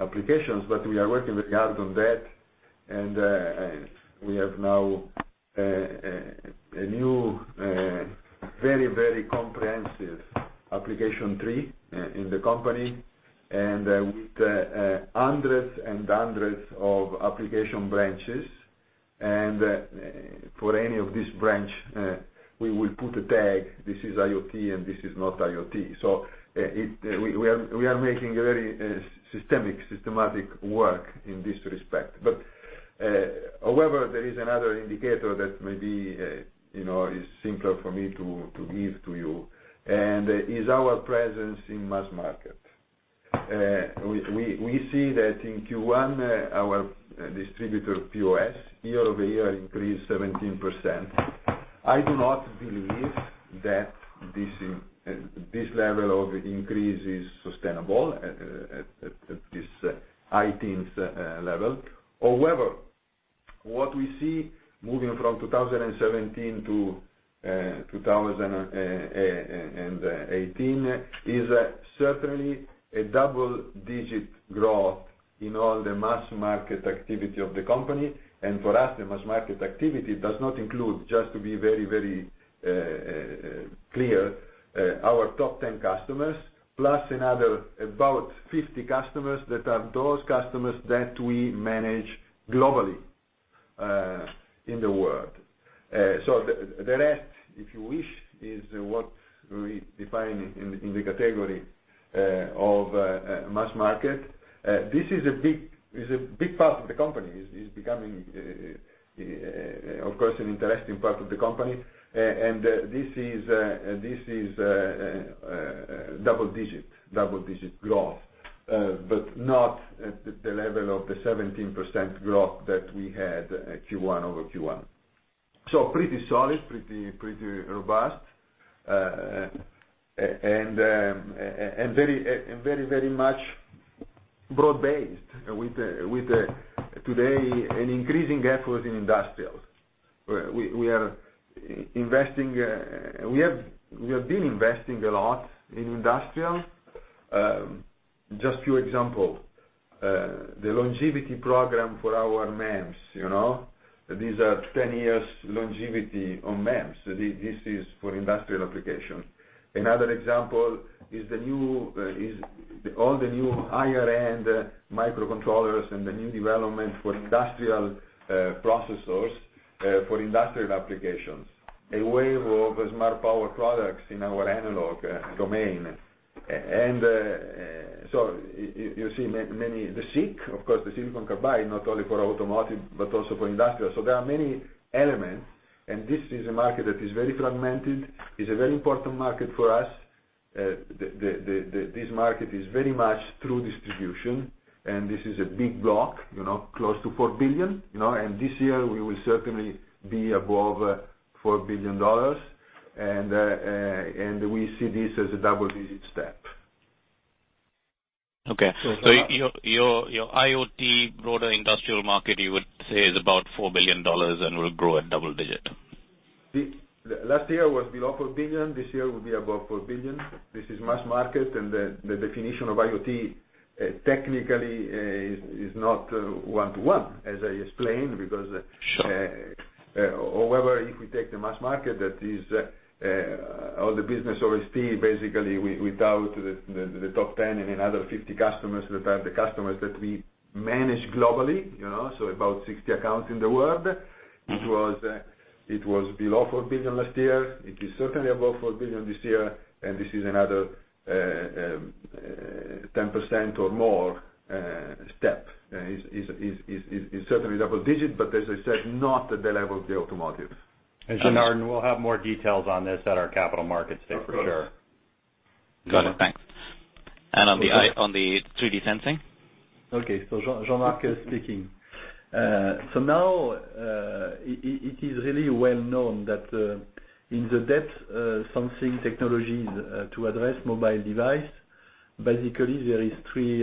applications, we are working hard on that, we have now a new very comprehensive application tree in the company, with hundreds and hundreds of application branches. For any of this branch, we will put a tag, this is IoT, this is not IoT. We are making very systematic work in this respect. However, there is another indicator that maybe is simpler for me to give to you, is our presence in mass market. We see that in Q1, our distributor POS year-over-year increased 17%. I do not believe that this level of increase is sustainable at this high teens level. However, what we see moving from 2017 to 2018 is certainly a double-digit growth in all the mass market activity of the company. For us, the mass market activity does not include, just to be very clear, our top 10 customers, plus another about 50 customers that are those customers that we manage globally in the world. The rest, if you wish, is what we define in the category of mass market. This is a big part of the company, is becoming, of course, an interesting part of the company. This is double-digit growth, not at the level of the 17% growth that we had at Q1 over Q1. Pretty solid, pretty robust, very much broad-based with today an increasing effort in industrials. We have been investing a lot in industrial. Just few example, the longevity program for our MEMS. These are 10 years longevity on MEMS. This is for industrial applications. Another example is all the new higher-end microcontrollers and the new development for industrial processors for industrial applications. A wave of smart power products in our analog domain. You see many, the SiC, of course, the silicon carbide, not only for automotive also for industrial. There are many elements, this is a market that is very fragmented. It's a very important market for us. This market is very much through distribution, this is a big block, close to 4 billion. This year we will certainly be above EUR 4 billion, we see this as a double-digit step. Your IoT broader industrial market, you would say, is about EUR 4 billion will grow at double digit? Last year it was below 4 billion. This year will be above 4 billion. This is mass market, the definition of IoT technically is not one-to-one, as I explained. Sure. However, if we take the mass market, that is all the business of ST basically without the top 10 and another 50 customers that are the customers that we manage globally, so about 60 accounts in the world. It was below 4 billion last year. It is certainly above 4 billion this year, this is another 10% or more step. It is certainly double digit, as I said, not at the level of the automotive. Janardan, we'll have more details on this at our capital markets day for sure. Got it. Thanks. On the 3D sensing? Okay. Jean-Marc is speaking. Now it is really well-known that in the depth sensing technologies to address mobile device, basically there are three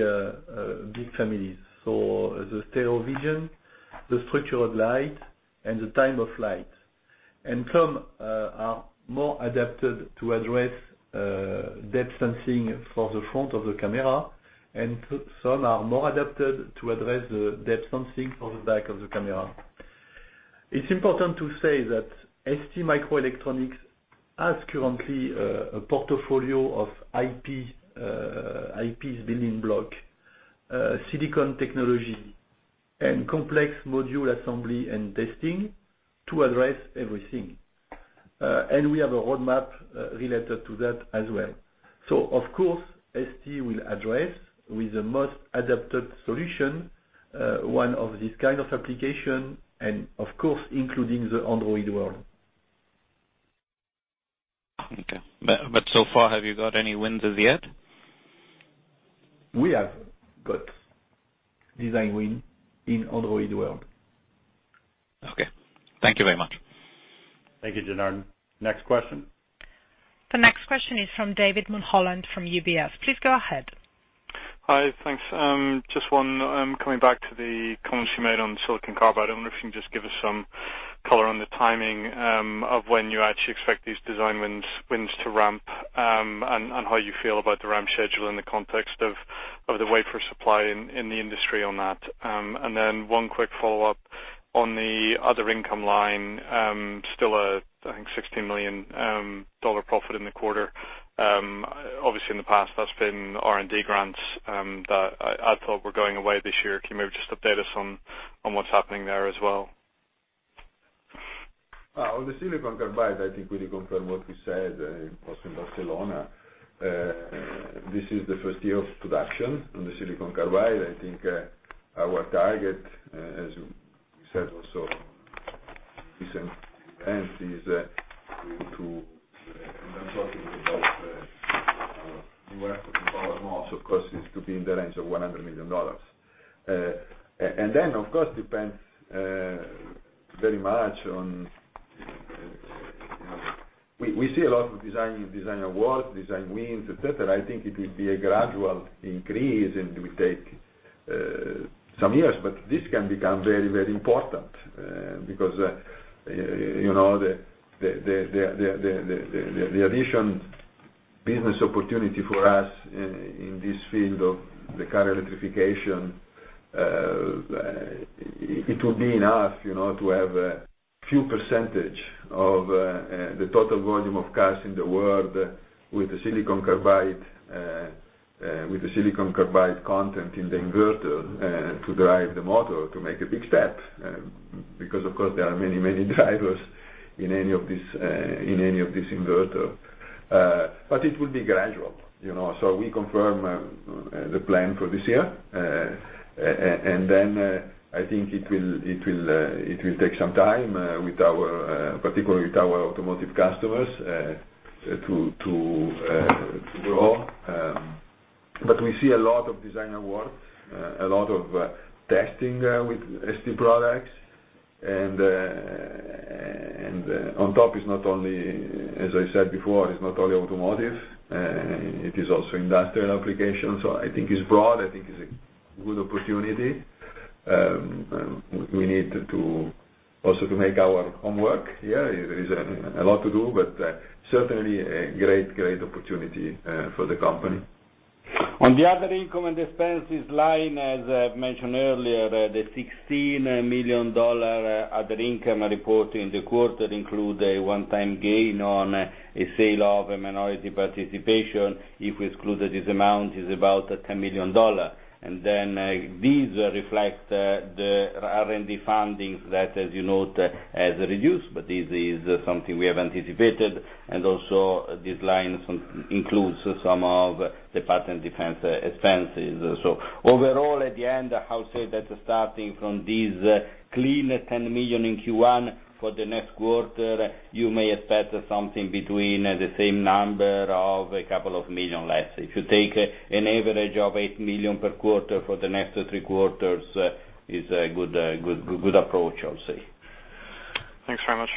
big families. The stereo vision, the structured light, and the time-of-flight. Some are more adapted to address depth sensing for the front of the camera, and some are more adapted to address the depth sensing for the back of the camera. It's important to say that STMicroelectronics has currently a portfolio of IPs building block, silicon technology, and complex module assembly and testing to address everything. We have a roadmap related to that as well. Of course, ST will address with the most adapted solution one of these kinds of application and of course, including the Android world. Okay. So far, have you got any wins as yet? We have got design win in Android world. Okay. Thank you very much. Thank you, Janardan. Next question. The next question is from David Mulholland from UBS. Please go ahead. Hi. Thanks. Just one, coming back to the comments you made on silicon carbide, I wonder if you can just give us some color on the timing of when you actually expect these design wins to ramp, and how you feel about the ramp schedule in the context of the wafer supply in the industry on that. Then one quick follow-up on the other income line. Still a, I think, EUR 16 million profit in the quarter. Obviously, in the past, that's been R&D grants that I thought were going away this year. Can you maybe just update us on what's happening there as well? On the silicon carbide, I think we did confirm what we said, it was in Barcelona. This is the first year of production on the silicon carbide. I think our target, as we said also recent is going to be in the range of EUR 100 million. Then, of course, depends very much on. We see a lot of design awards, design wins, et cetera. I think it will be a gradual increase and will take some years, but this can become very important. Because the addition business opportunity for us in this field of the car electrification, it will be enough to have a few percentage of the total volume of cars in the world with the silicon carbide content in the inverter to drive the motor to make a big step. Of course, there are many drivers in any of this inverter. It will be gradual. We confirm the plan for this year, I think it will take some time particularly with our automotive customers to grow. We see a lot of design awards, a lot of testing with ST products. On top is not only, as I said before, it's not only automotive, it is also industrial applications. I think it's broad. I think it's a good opportunity. We need to also to make our homework. There is a lot to do, but certainly a great opportunity for the company. On the other income and expenses line, as I've mentioned earlier, the EUR 16 million other income reported in the quarter include a one-time gain on a sale of a minority participation. If we excluded this amount, it's about EUR 10 million. These reflect the R&D fundings that, as you note, has reduced. This is something we have anticipated, and also this line includes some of the patent expense. Overall, at the end, I would say that starting from this clean 10 million in Q1, for the next quarter, you may expect something between the same number of a couple of million less. If you take an average of 8 million per quarter for the next three quarters is a good approach, I'll say. Thanks very much.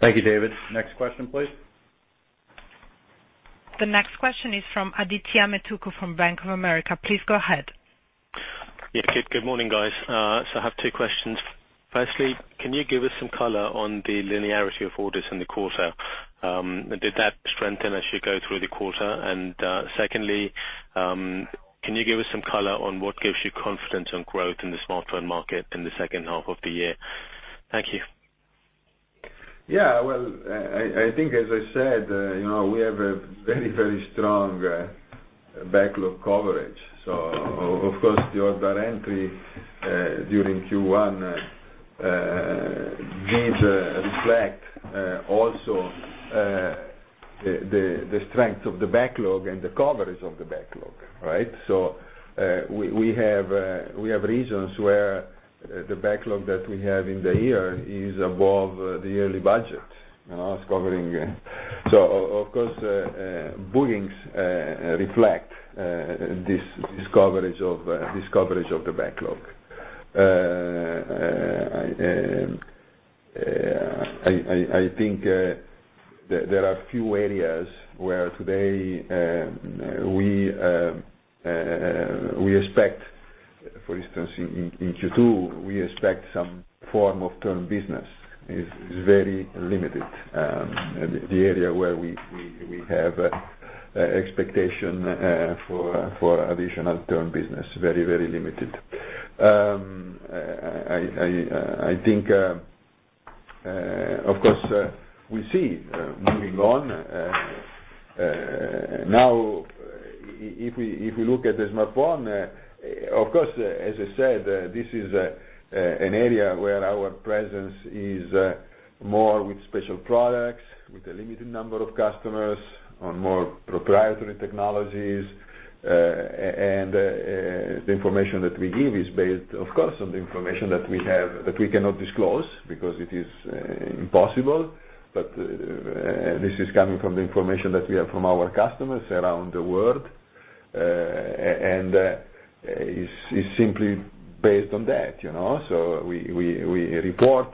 Thank you, David. Next question, please. The next question is from Adithya Metuku from Bank of America. Please go ahead. Yeah. Good morning, guys. I have two questions. Firstly, can you give us some color on the linearity of orders in the quarter? Did that strengthen as you go through the quarter? Secondly, can you give us some color on what gives you confidence on growth in the smartphone market in the second half of the year? Thank you. Yeah. Well, I think as I said, we have a very strong backlog coverage. Of course, the order entry, during Q1, these reflect also the strength of the backlog and the coverage of the backlog, right? We have regions where the backlog that we have in the year is above the yearly budget. It's covering. Of course, bookings reflect this coverage of the backlog. I think there are a few areas where today we expect, for instance, in Q2, we expect some form of turns business is very limited. The area where we have expectation for additional turns business, very limited. I think, of course, we see, moving on. Now, if we look at the smartphone, of course, as I said, this is an area where our presence is more with special products, with a limited number of customers on more proprietary technologies. The information that we give is based, of course, on the information that we have, that we cannot disclose, because it is impossible. This is coming from the information that we have from our customers around the world, and is simply based on that. We report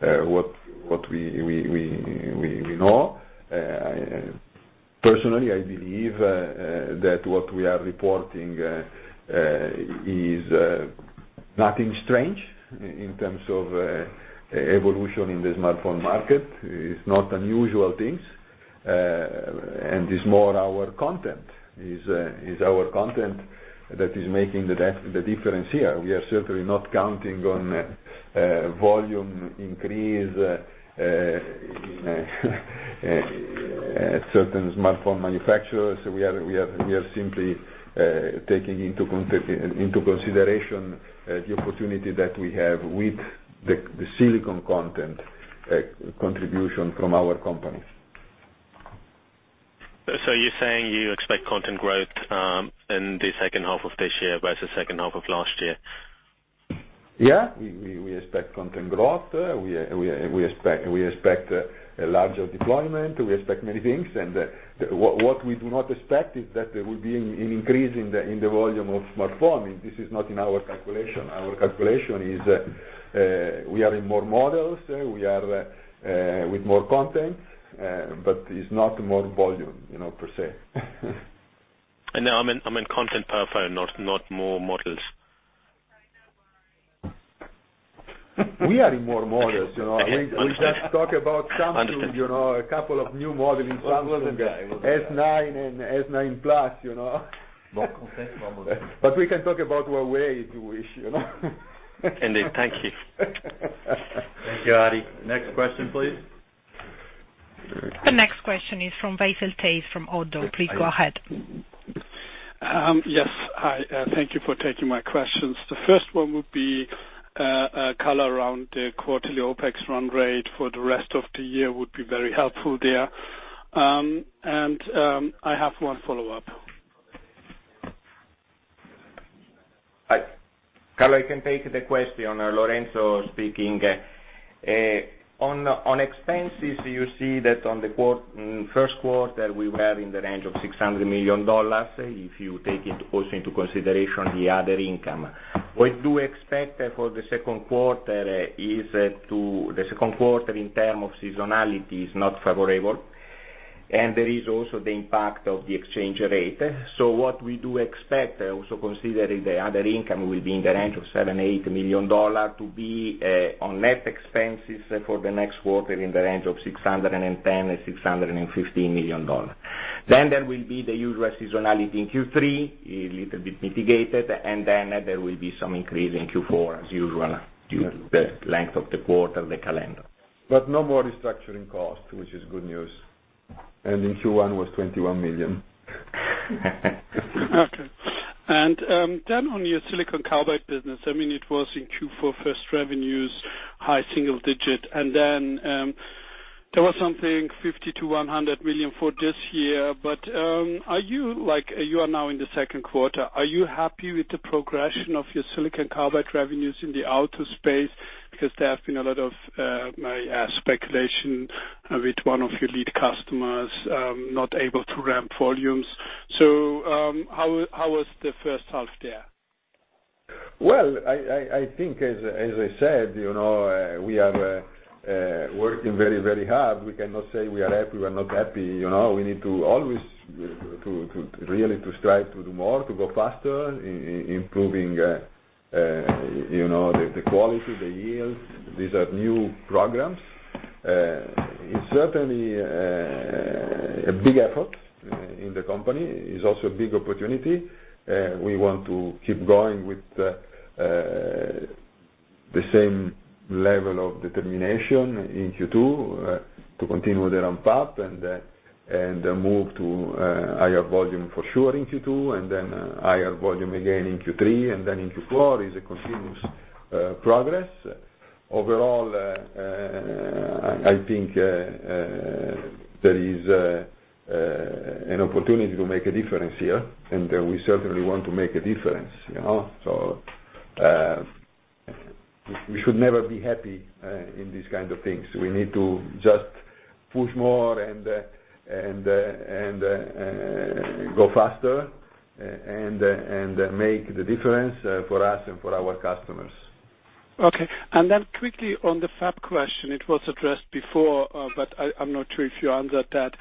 what we know. Personally, I believe that what we are reporting is nothing strange in terms of evolution in the smartphone market. It's not unusual things, and it's more our content. It's our content that is making the difference here. We are certainly not counting on volume increase at certain smartphone manufacturers. We are simply taking into consideration the opportunity that we have with the silicon content contribution from our company. You're saying you expect content growth in the second half of this year versus second half of last year? We expect content growth. We expect a larger deployment. We expect many things. What we do not expect is that there will be an increase in the volume of smartphone. This is not in our calculation. Our calculation is we are in more models. We are with more content, but it's not more volume, per se. No, I meant content per se, not more models. We are in more models. We just talk about Samsung. Understood. A couple of new models in Samsung. It wasn't there. S9 and S9 Plus. More content, more models. We can talk about Huawei if you wish, you know? Indeed. Thank you. Thank you, Adi. Next question, please. The next question is from Veysel Taze from Oddo. Please go ahead. Yes. Hi. Thank you for taking my questions. The first one would be color around the quarterly OpEx run rate for the rest of the year would be very helpful there. I have one follow-up. Carlo, I can take the question. Lorenzo speaking. On expenses, you see that on the first quarter, we were in the range of EUR 600 million. If you take it also into consideration, the other income. We do expect for the second quarter in terms of seasonality is not favorable. There is also the impact of the exchange rate. What we do expect, also considering the other income, will be in the range of 7 million, EUR 8 million to be on net expenses for the next quarter in the range of 610 million, EUR 615 million. There will be the usual seasonality in Q3, a little bit mitigated, there will be some increase in Q4 as usual due to the length of the quarter, the calendar. No more restructuring cost, which is good news. In Q1 was 21 million. Okay. On your silicon carbide business, it was in Q4, first revenues, high single digit. There was something, 50 million-100 million for this year. You are now in the second quarter, are you happy with the progression of your silicon carbide revenues in the outlook? There have been a lot of speculation with one of your lead customers, not able to ramp volumes. How was the first half there? Well, I think, as I said, we are working very hard. We cannot say we are happy, we're not happy. We need to always really strive to do more, to go faster, improving the quality, the yield. These are new programs. It's certainly a big effort in the company. It's also a big opportunity. We want to keep going with the same level of determination in Q2 to continue the ramp-up and move to higher volume for sure in Q2, higher volume again in Q3. In Q4 is a continuous progress. Overall, I think there is an opportunity to make a difference here, and we certainly want to make a difference. We need to just push more and go faster and make the difference for us and for our customers. Okay. Quickly on the fab question, it was addressed before, but I'm not sure if you answered that.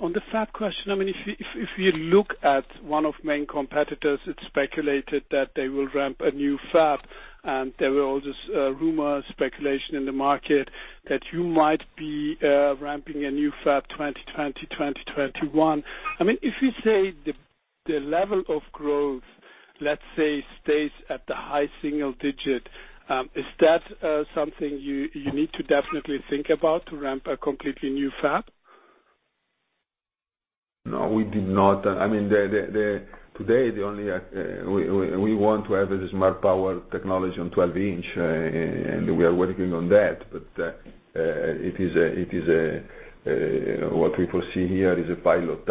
On the fab question, if you look at one of main competitors, it's speculated that they will ramp a new fab, and there were all this rumor, speculation in the market that you might be ramping a new fab 2020, 2021. If we say the level of growth, let's say, stays at the high single digit, is that something you need to definitely think about to ramp a completely new fab? No, we did not. Today, we want to have the smart power technology on 12-inch, and we are working on that. What people see here is a pilot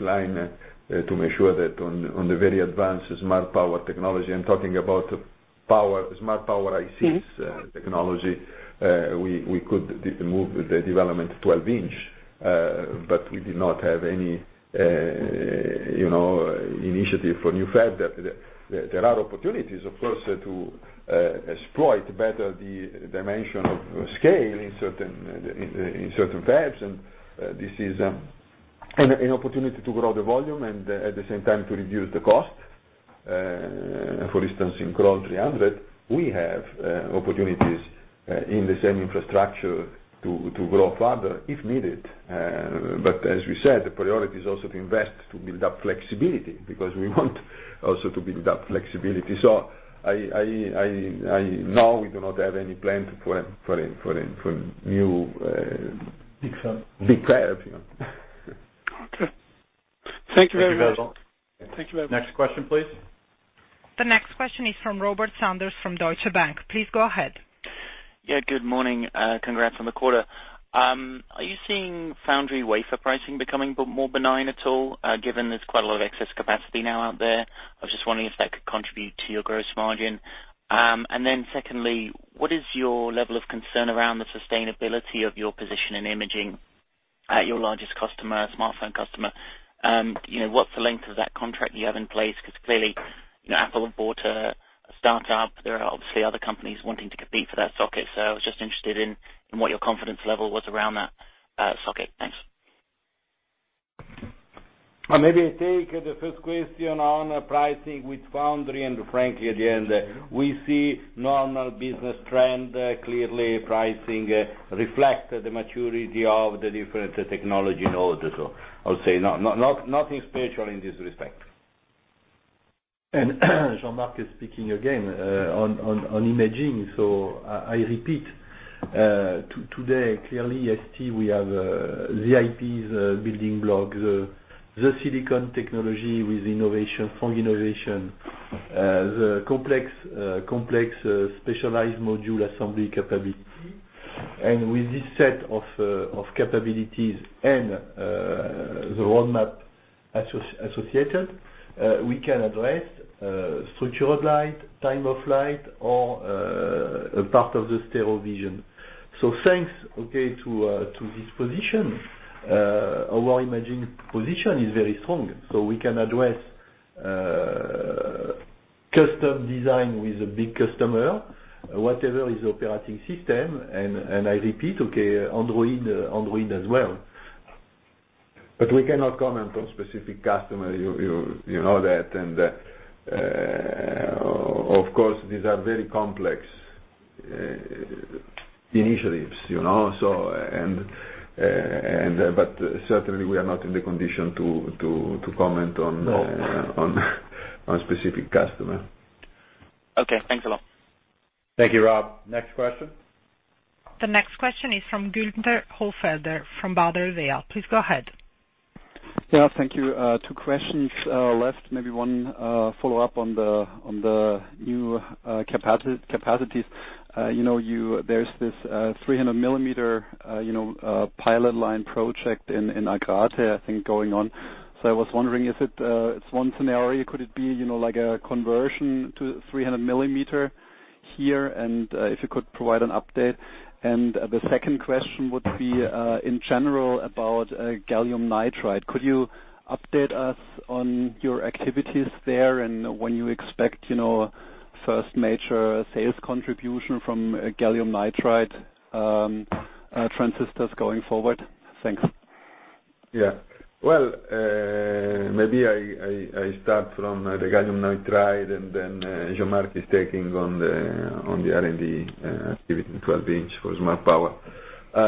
line to make sure that on the very advanced smart power technology, I'm talking about smart power ICs technology, we could move the development to 12-inch. We did not have any initiative for new fab. There are opportunities, of course, to exploit better the dimension of scale in certain fabs, and this is an opportunity to grow the volume and, at the same time, to reduce the cost. For instance, in Crolles 300, we have opportunities in the same infrastructure to grow further if needed. But as we said, the priority is also to invest, to build up flexibility, because we want also to build up flexibility. Now we do not have any plan for. Big fab. Big fab. Okay. Thank you very much. Thank you, Jérôme. Thank you very much. Next question, please. The next question is from Robert Sanders from Deutsche Bank. Please go ahead. Good morning. Congrats on the quarter. Are you seeing foundry wafer pricing becoming more benign at all, given there's quite a lot of excess capacity now out there? I was just wondering if that could contribute to your gross margin. Secondly, what is your level of concern around the sustainability of your position in imaging at your largest customer, smartphone customer? What's the length of that contract you have in place? Clearly, Apple have bought a startup. There are obviously other companies wanting to compete for that socket. I was just interested in what your confidence level was around that socket. Thanks. Maybe I take the first question on pricing with foundry. Frankly, again, we see normal business trend. Clearly, pricing reflects the maturity of the different technology nodes. I'll say nothing special in this respect. Jean-Marc Chery is speaking again. On imaging, I repeat, today, clearly ST, we have the IPs building block, the silicon technology with innovation, strong innovation, the complex specialized module assembly capability. With this set of capabilities and the roadmap associated, we can address structured light, time-of-flight, or part of the stereo vision. Thanks to this position, our imaging position is very strong. We can address custom design with a big customer, whatever is the operating system, I repeat, Android as well. We cannot comment on specific customer, you know that. Of course, these are very complex initiatives. Certainly, we are not in the condition to comment on- No on a specific customer. Okay. Thanks a lot. Thank you, Rob. Next question. The next question is from Günther Hollfelder from Baader Bank. Please go ahead. Yeah. Thank you. Two questions left, maybe one follow-up on the new capacities. There is this 300 millimeter pilot line project in Agrate, I think, going on. I was wondering, is it one scenario? Could it be, like a conversion to 300 millimeter here? If you could provide an update. The second question would be, in general about gallium nitride. Could you update us on your activities there and when you expect first major sales contribution from gallium nitride transistors going forward? Thanks. Yeah. Well, maybe I start from the gallium nitride, then Jean-Marc is taking on the R&D activity in 12-inch for smart power.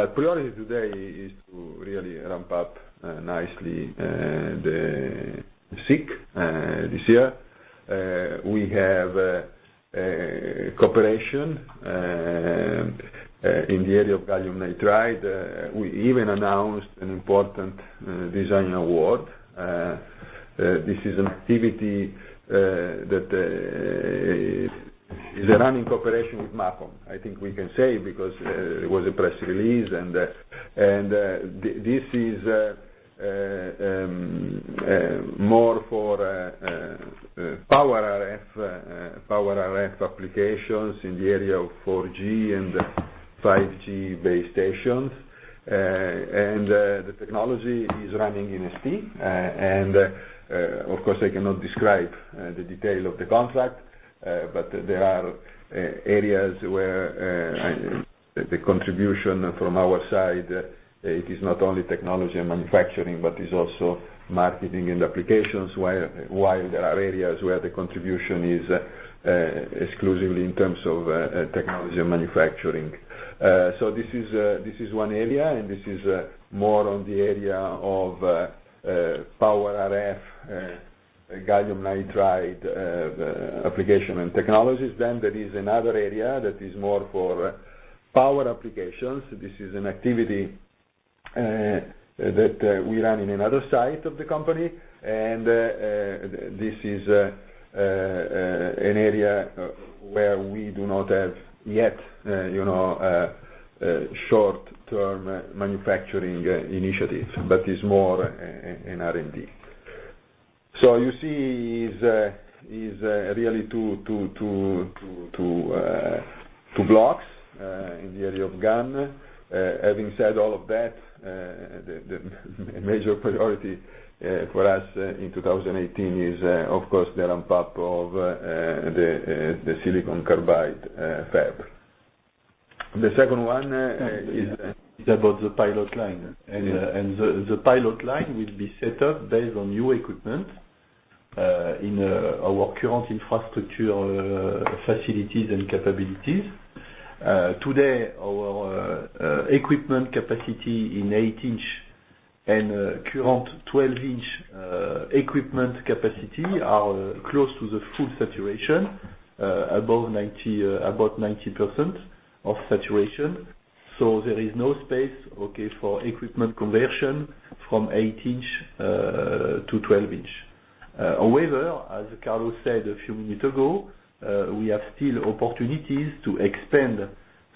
Priority today is to really ramp up nicely the SiC this year. We have cooperation in the area of gallium nitride. We even announced an important design award. This is an activity that is run in cooperation with MACOM. I think we can say because it was a press release, this is more for power RF applications in the area of 4G and 5G base stations. The technology is running in ST. Of course, I cannot describe the detail of the contract, but there are areas where the contribution from our side, it is not only technology and manufacturing, but is also marketing and applications, while there are areas where the contribution is exclusively in terms of technology and manufacturing. This is one area, this is more on the area of power RF, gallium nitride application and technologies. There is another area that is more for power applications. This is an activity that we run in another side of the company, this is an area where we do not have yet short-term manufacturing initiatives, but is more in R&D. You see is really two blocks in the area of GaN. Having said all of that, the major priority for us in 2018 is, of course, the ramp-up of the silicon carbide fab. The second one is about the pilot line. The pilot line will be set up based on new equipment in our current infrastructure facilities and capabilities. Today, our equipment capacity in eight-inch and current 12-inch equipment capacity are close to the full saturation, about 90% of saturation. There is no space, okay, for equipment conversion from eight-inch to 12-inch. However, as Carlo said a few minutes ago, we have still opportunities to expand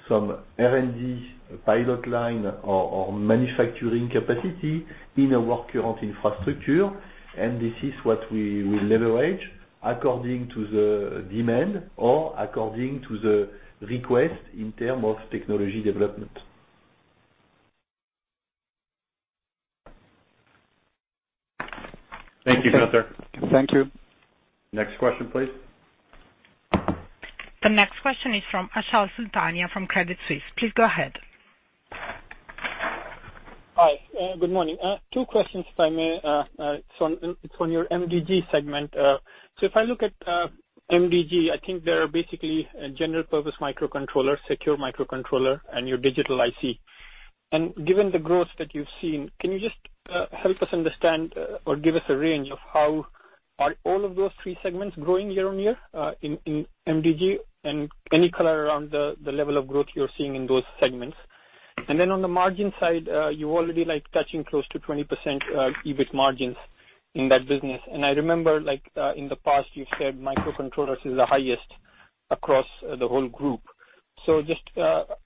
some R&D pilot line or manufacturing capacity in our current infrastructure. This is what we will leverage according to the demand or according to the request in term of technology development. Thank you, Gunther. Thank you. Next question, please. The next question is from Achal Sultania from Credit Suisse. Please go ahead. Hi. Good morning. Two questions, if I may. It is on your MDG segment. If I look at MDG, I think there are basically general-purpose microcontroller, secure microcontroller, and your digital IC. Given the growth that you have seen, can you just help us understand or give us a range of how are all of those three segments growing year-on-year in MDG, and any color around the level of growth you are seeing in those segments? On the margin side, you are already touching close to 20% EBIT margins in that business. I remember in the past, you have said microcontrollers is the highest across the whole group. Just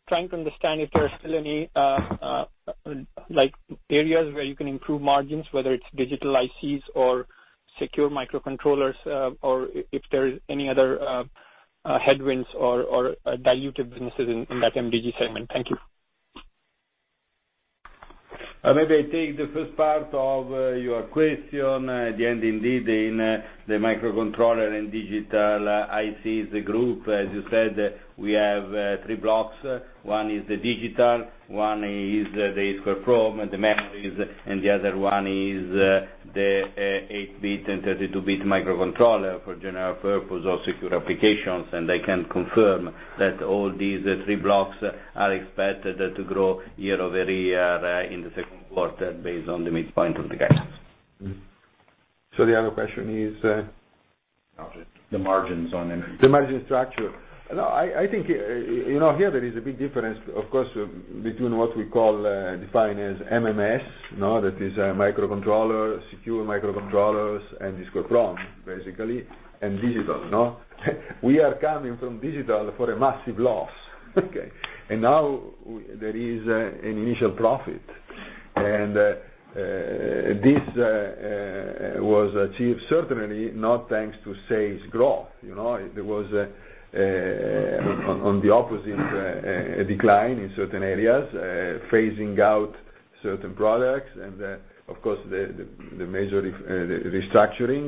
trying to understand if there are still any areas where you can improve margins, whether it is digital ICs or secure microcontrollers, or if there is any other headwinds or diluted businesses in that MDG segment. Thank you. Maybe I take the first part of your question. At the end, indeed, in the microcontroller and digital ICs group, as you said, we have three blocks. One is the digital, one is the EEPROM and the memories, and the other one is the eight-bit and 32-bit microcontroller for general purpose or secure applications. I can confirm that all these three blocks are expected to grow year-over-year in the second quarter based on the midpoint of the guidance. The other question is? The margins on- The margin structure. I think here there is a big difference, of course, between what we call, define as MMS. That is a microcontroller, secure microcontrollers, and EEPROM, basically, and digital. We are coming from digital for a massive loss. Now there is an initial profit. This was achieved certainly not thanks to sales growth. It was on the opposite, a decline in certain areas, phasing out certain products and, of course, the major restructuring.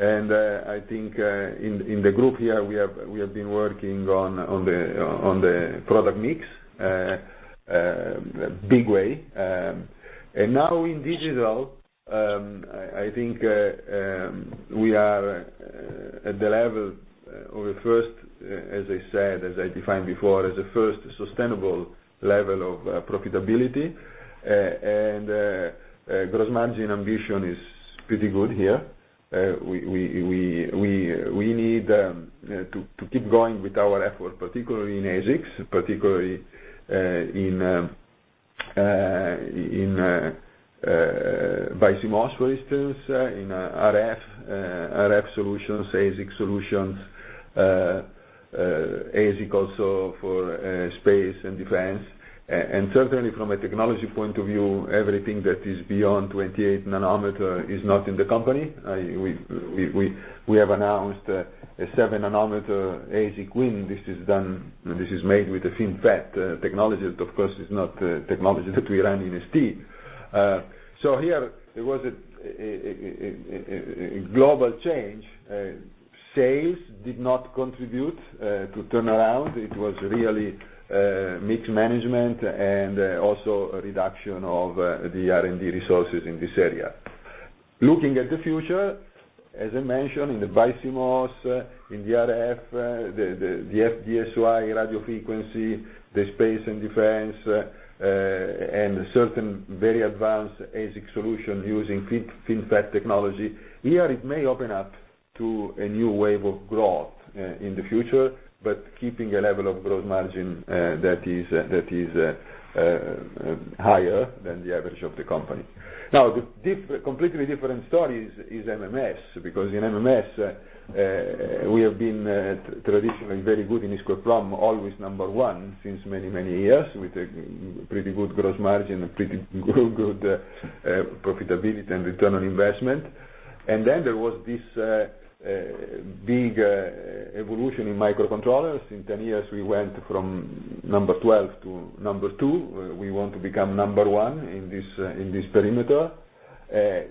I think in the group here, we have been working on the product mix, big way. Now in digital, I think we are at the level of the first, as I said, as I defined before, at the first sustainable level of profitability. Gross margin ambition is pretty good here. We need to keep going with our effort, particularly in ASICs, particularly in BiCMOS, for instance, in RF solutions, ASIC solutions, ASIC also for space and defense. Certainly from a technology point of view, everything that is beyond 28-nanometer is not in the company. We have announced a seven-nanometer ASIC win. This is made with the FinFET technology. Of course, it's not technology that we run in ST. Here there was a global change. Sales did not contribute to turnaround. It was really mixed management and also a reduction of the R&D resources in this area. Looking at the future, as I mentioned, in the BiCMOS, in the RF, the FD-SOI radio frequency, the space and defense, and certain very advanced ASIC solution using FinFET technology, here it may open up to a new wave of growth in the future, but keeping a level of gross margin that is higher than the average of the company. The completely different story is MMS, because in MMS, we have been traditionally very good in EEPROM, always number 1 since many, many years, with a pretty good gross margin and pretty good profitability and return on investment. Then there was this big evolution in microcontrollers. In 10 years, we went from number 12 to number 2. We want to become number 1 in this perimeter.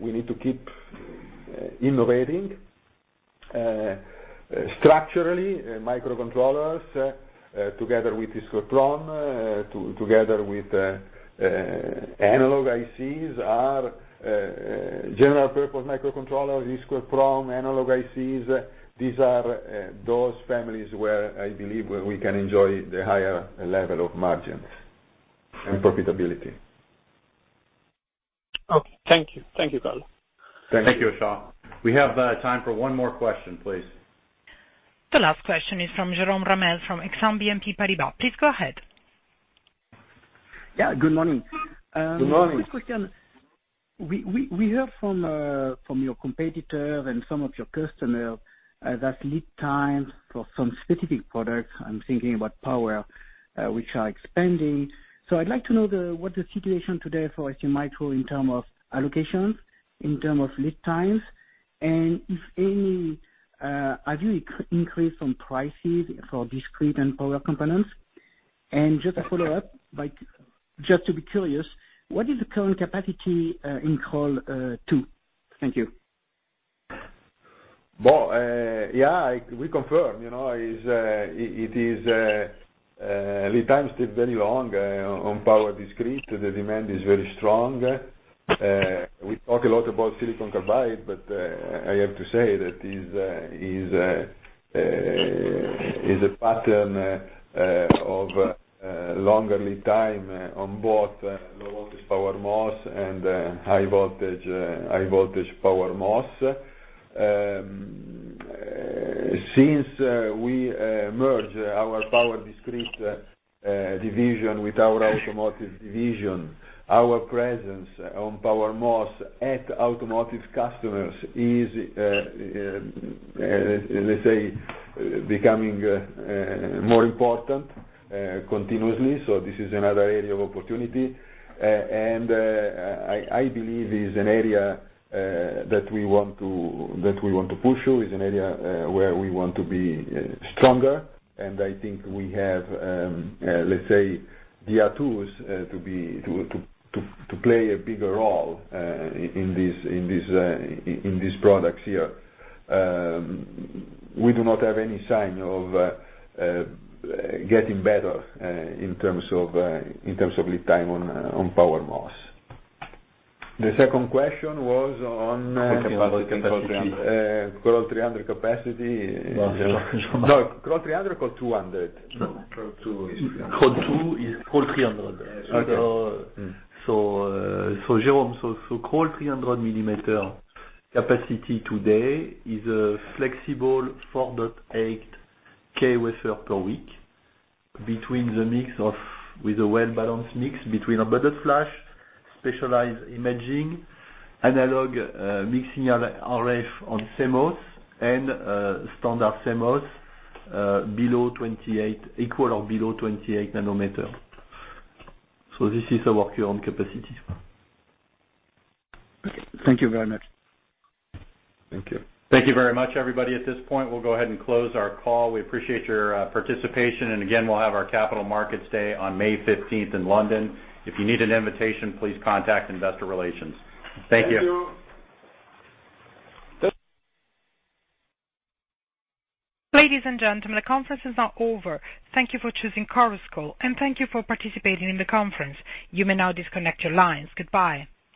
We need to keep innovating. Structurally, microcontrollers together with EEPROM, together with analog ICs, general purpose microcontroller, EEPROM, analog ICs, these are those families where I believe we can enjoy the higher level of margins and profitability. Okay. Thank you. Thank you, Carlo. Thank you. Thank you, Achal. We have time for one more question, please. The last question is from Jérôme Ramel, from Exane BNP Paribas. Please go ahead. Yeah, good morning. Good morning. Quick question. We heard from your competitor and some of your customers that lead times for some specific products, I'm thinking about power, which are expanding. I'd like to know what the situation today for STMicro in term of allocations, in term of lead times, and if any, have you increased on prices for discrete and power components? Just a follow-up, just to be curious, what is the current capacity in Crolles 2? Thank you. We confirm. Lead times take very long on power discrete. The demand is very strong. We talk a lot about silicon carbide, I have to say that is a pattern of longer lead time on both low-voltage power MOSFET and high-voltage power MOSFET. Since we merged our power discrete division with our automotive division, our presence on power MOSFET at automotive customers is, let's say, becoming more important continuously. This is another area of opportunity, I believe is an area that we want to push. It's an area where we want to be stronger, I think we have, let's say, the tools to play a bigger role in these products here. We do not have any sign of getting better in terms of lead time on power MOSFET. The second question was on- Capacity Crolles 300 capacity. No No, Crolles 300 or Crolles 200? Crolles 2 is Crolles 300. Crolles 2 is Crolles 300. Jerome, Crolles 300 millimeter capacity today is a flexible 4.8K wafer per week with a well-balanced mix between embedded flash, specialized imaging, analog, mixing RF on CMOS, and standard CMOS equal or below 28 nanometer. This is our current capacity. Okay. Thank you very much. Thank you. Thank you very much, everybody. At this point, we'll go ahead and close our call. We appreciate your participation. Again, we'll have our Capital Markets Day on May 15th in London. If you need an invitation, please contact investor relations. Thank you. Thank you. Ladies and gentlemen, the conference is now over. Thank you for choosing Chorus Call, and thank you for participating in the conference. You may now disconnect your lines. Goodbye.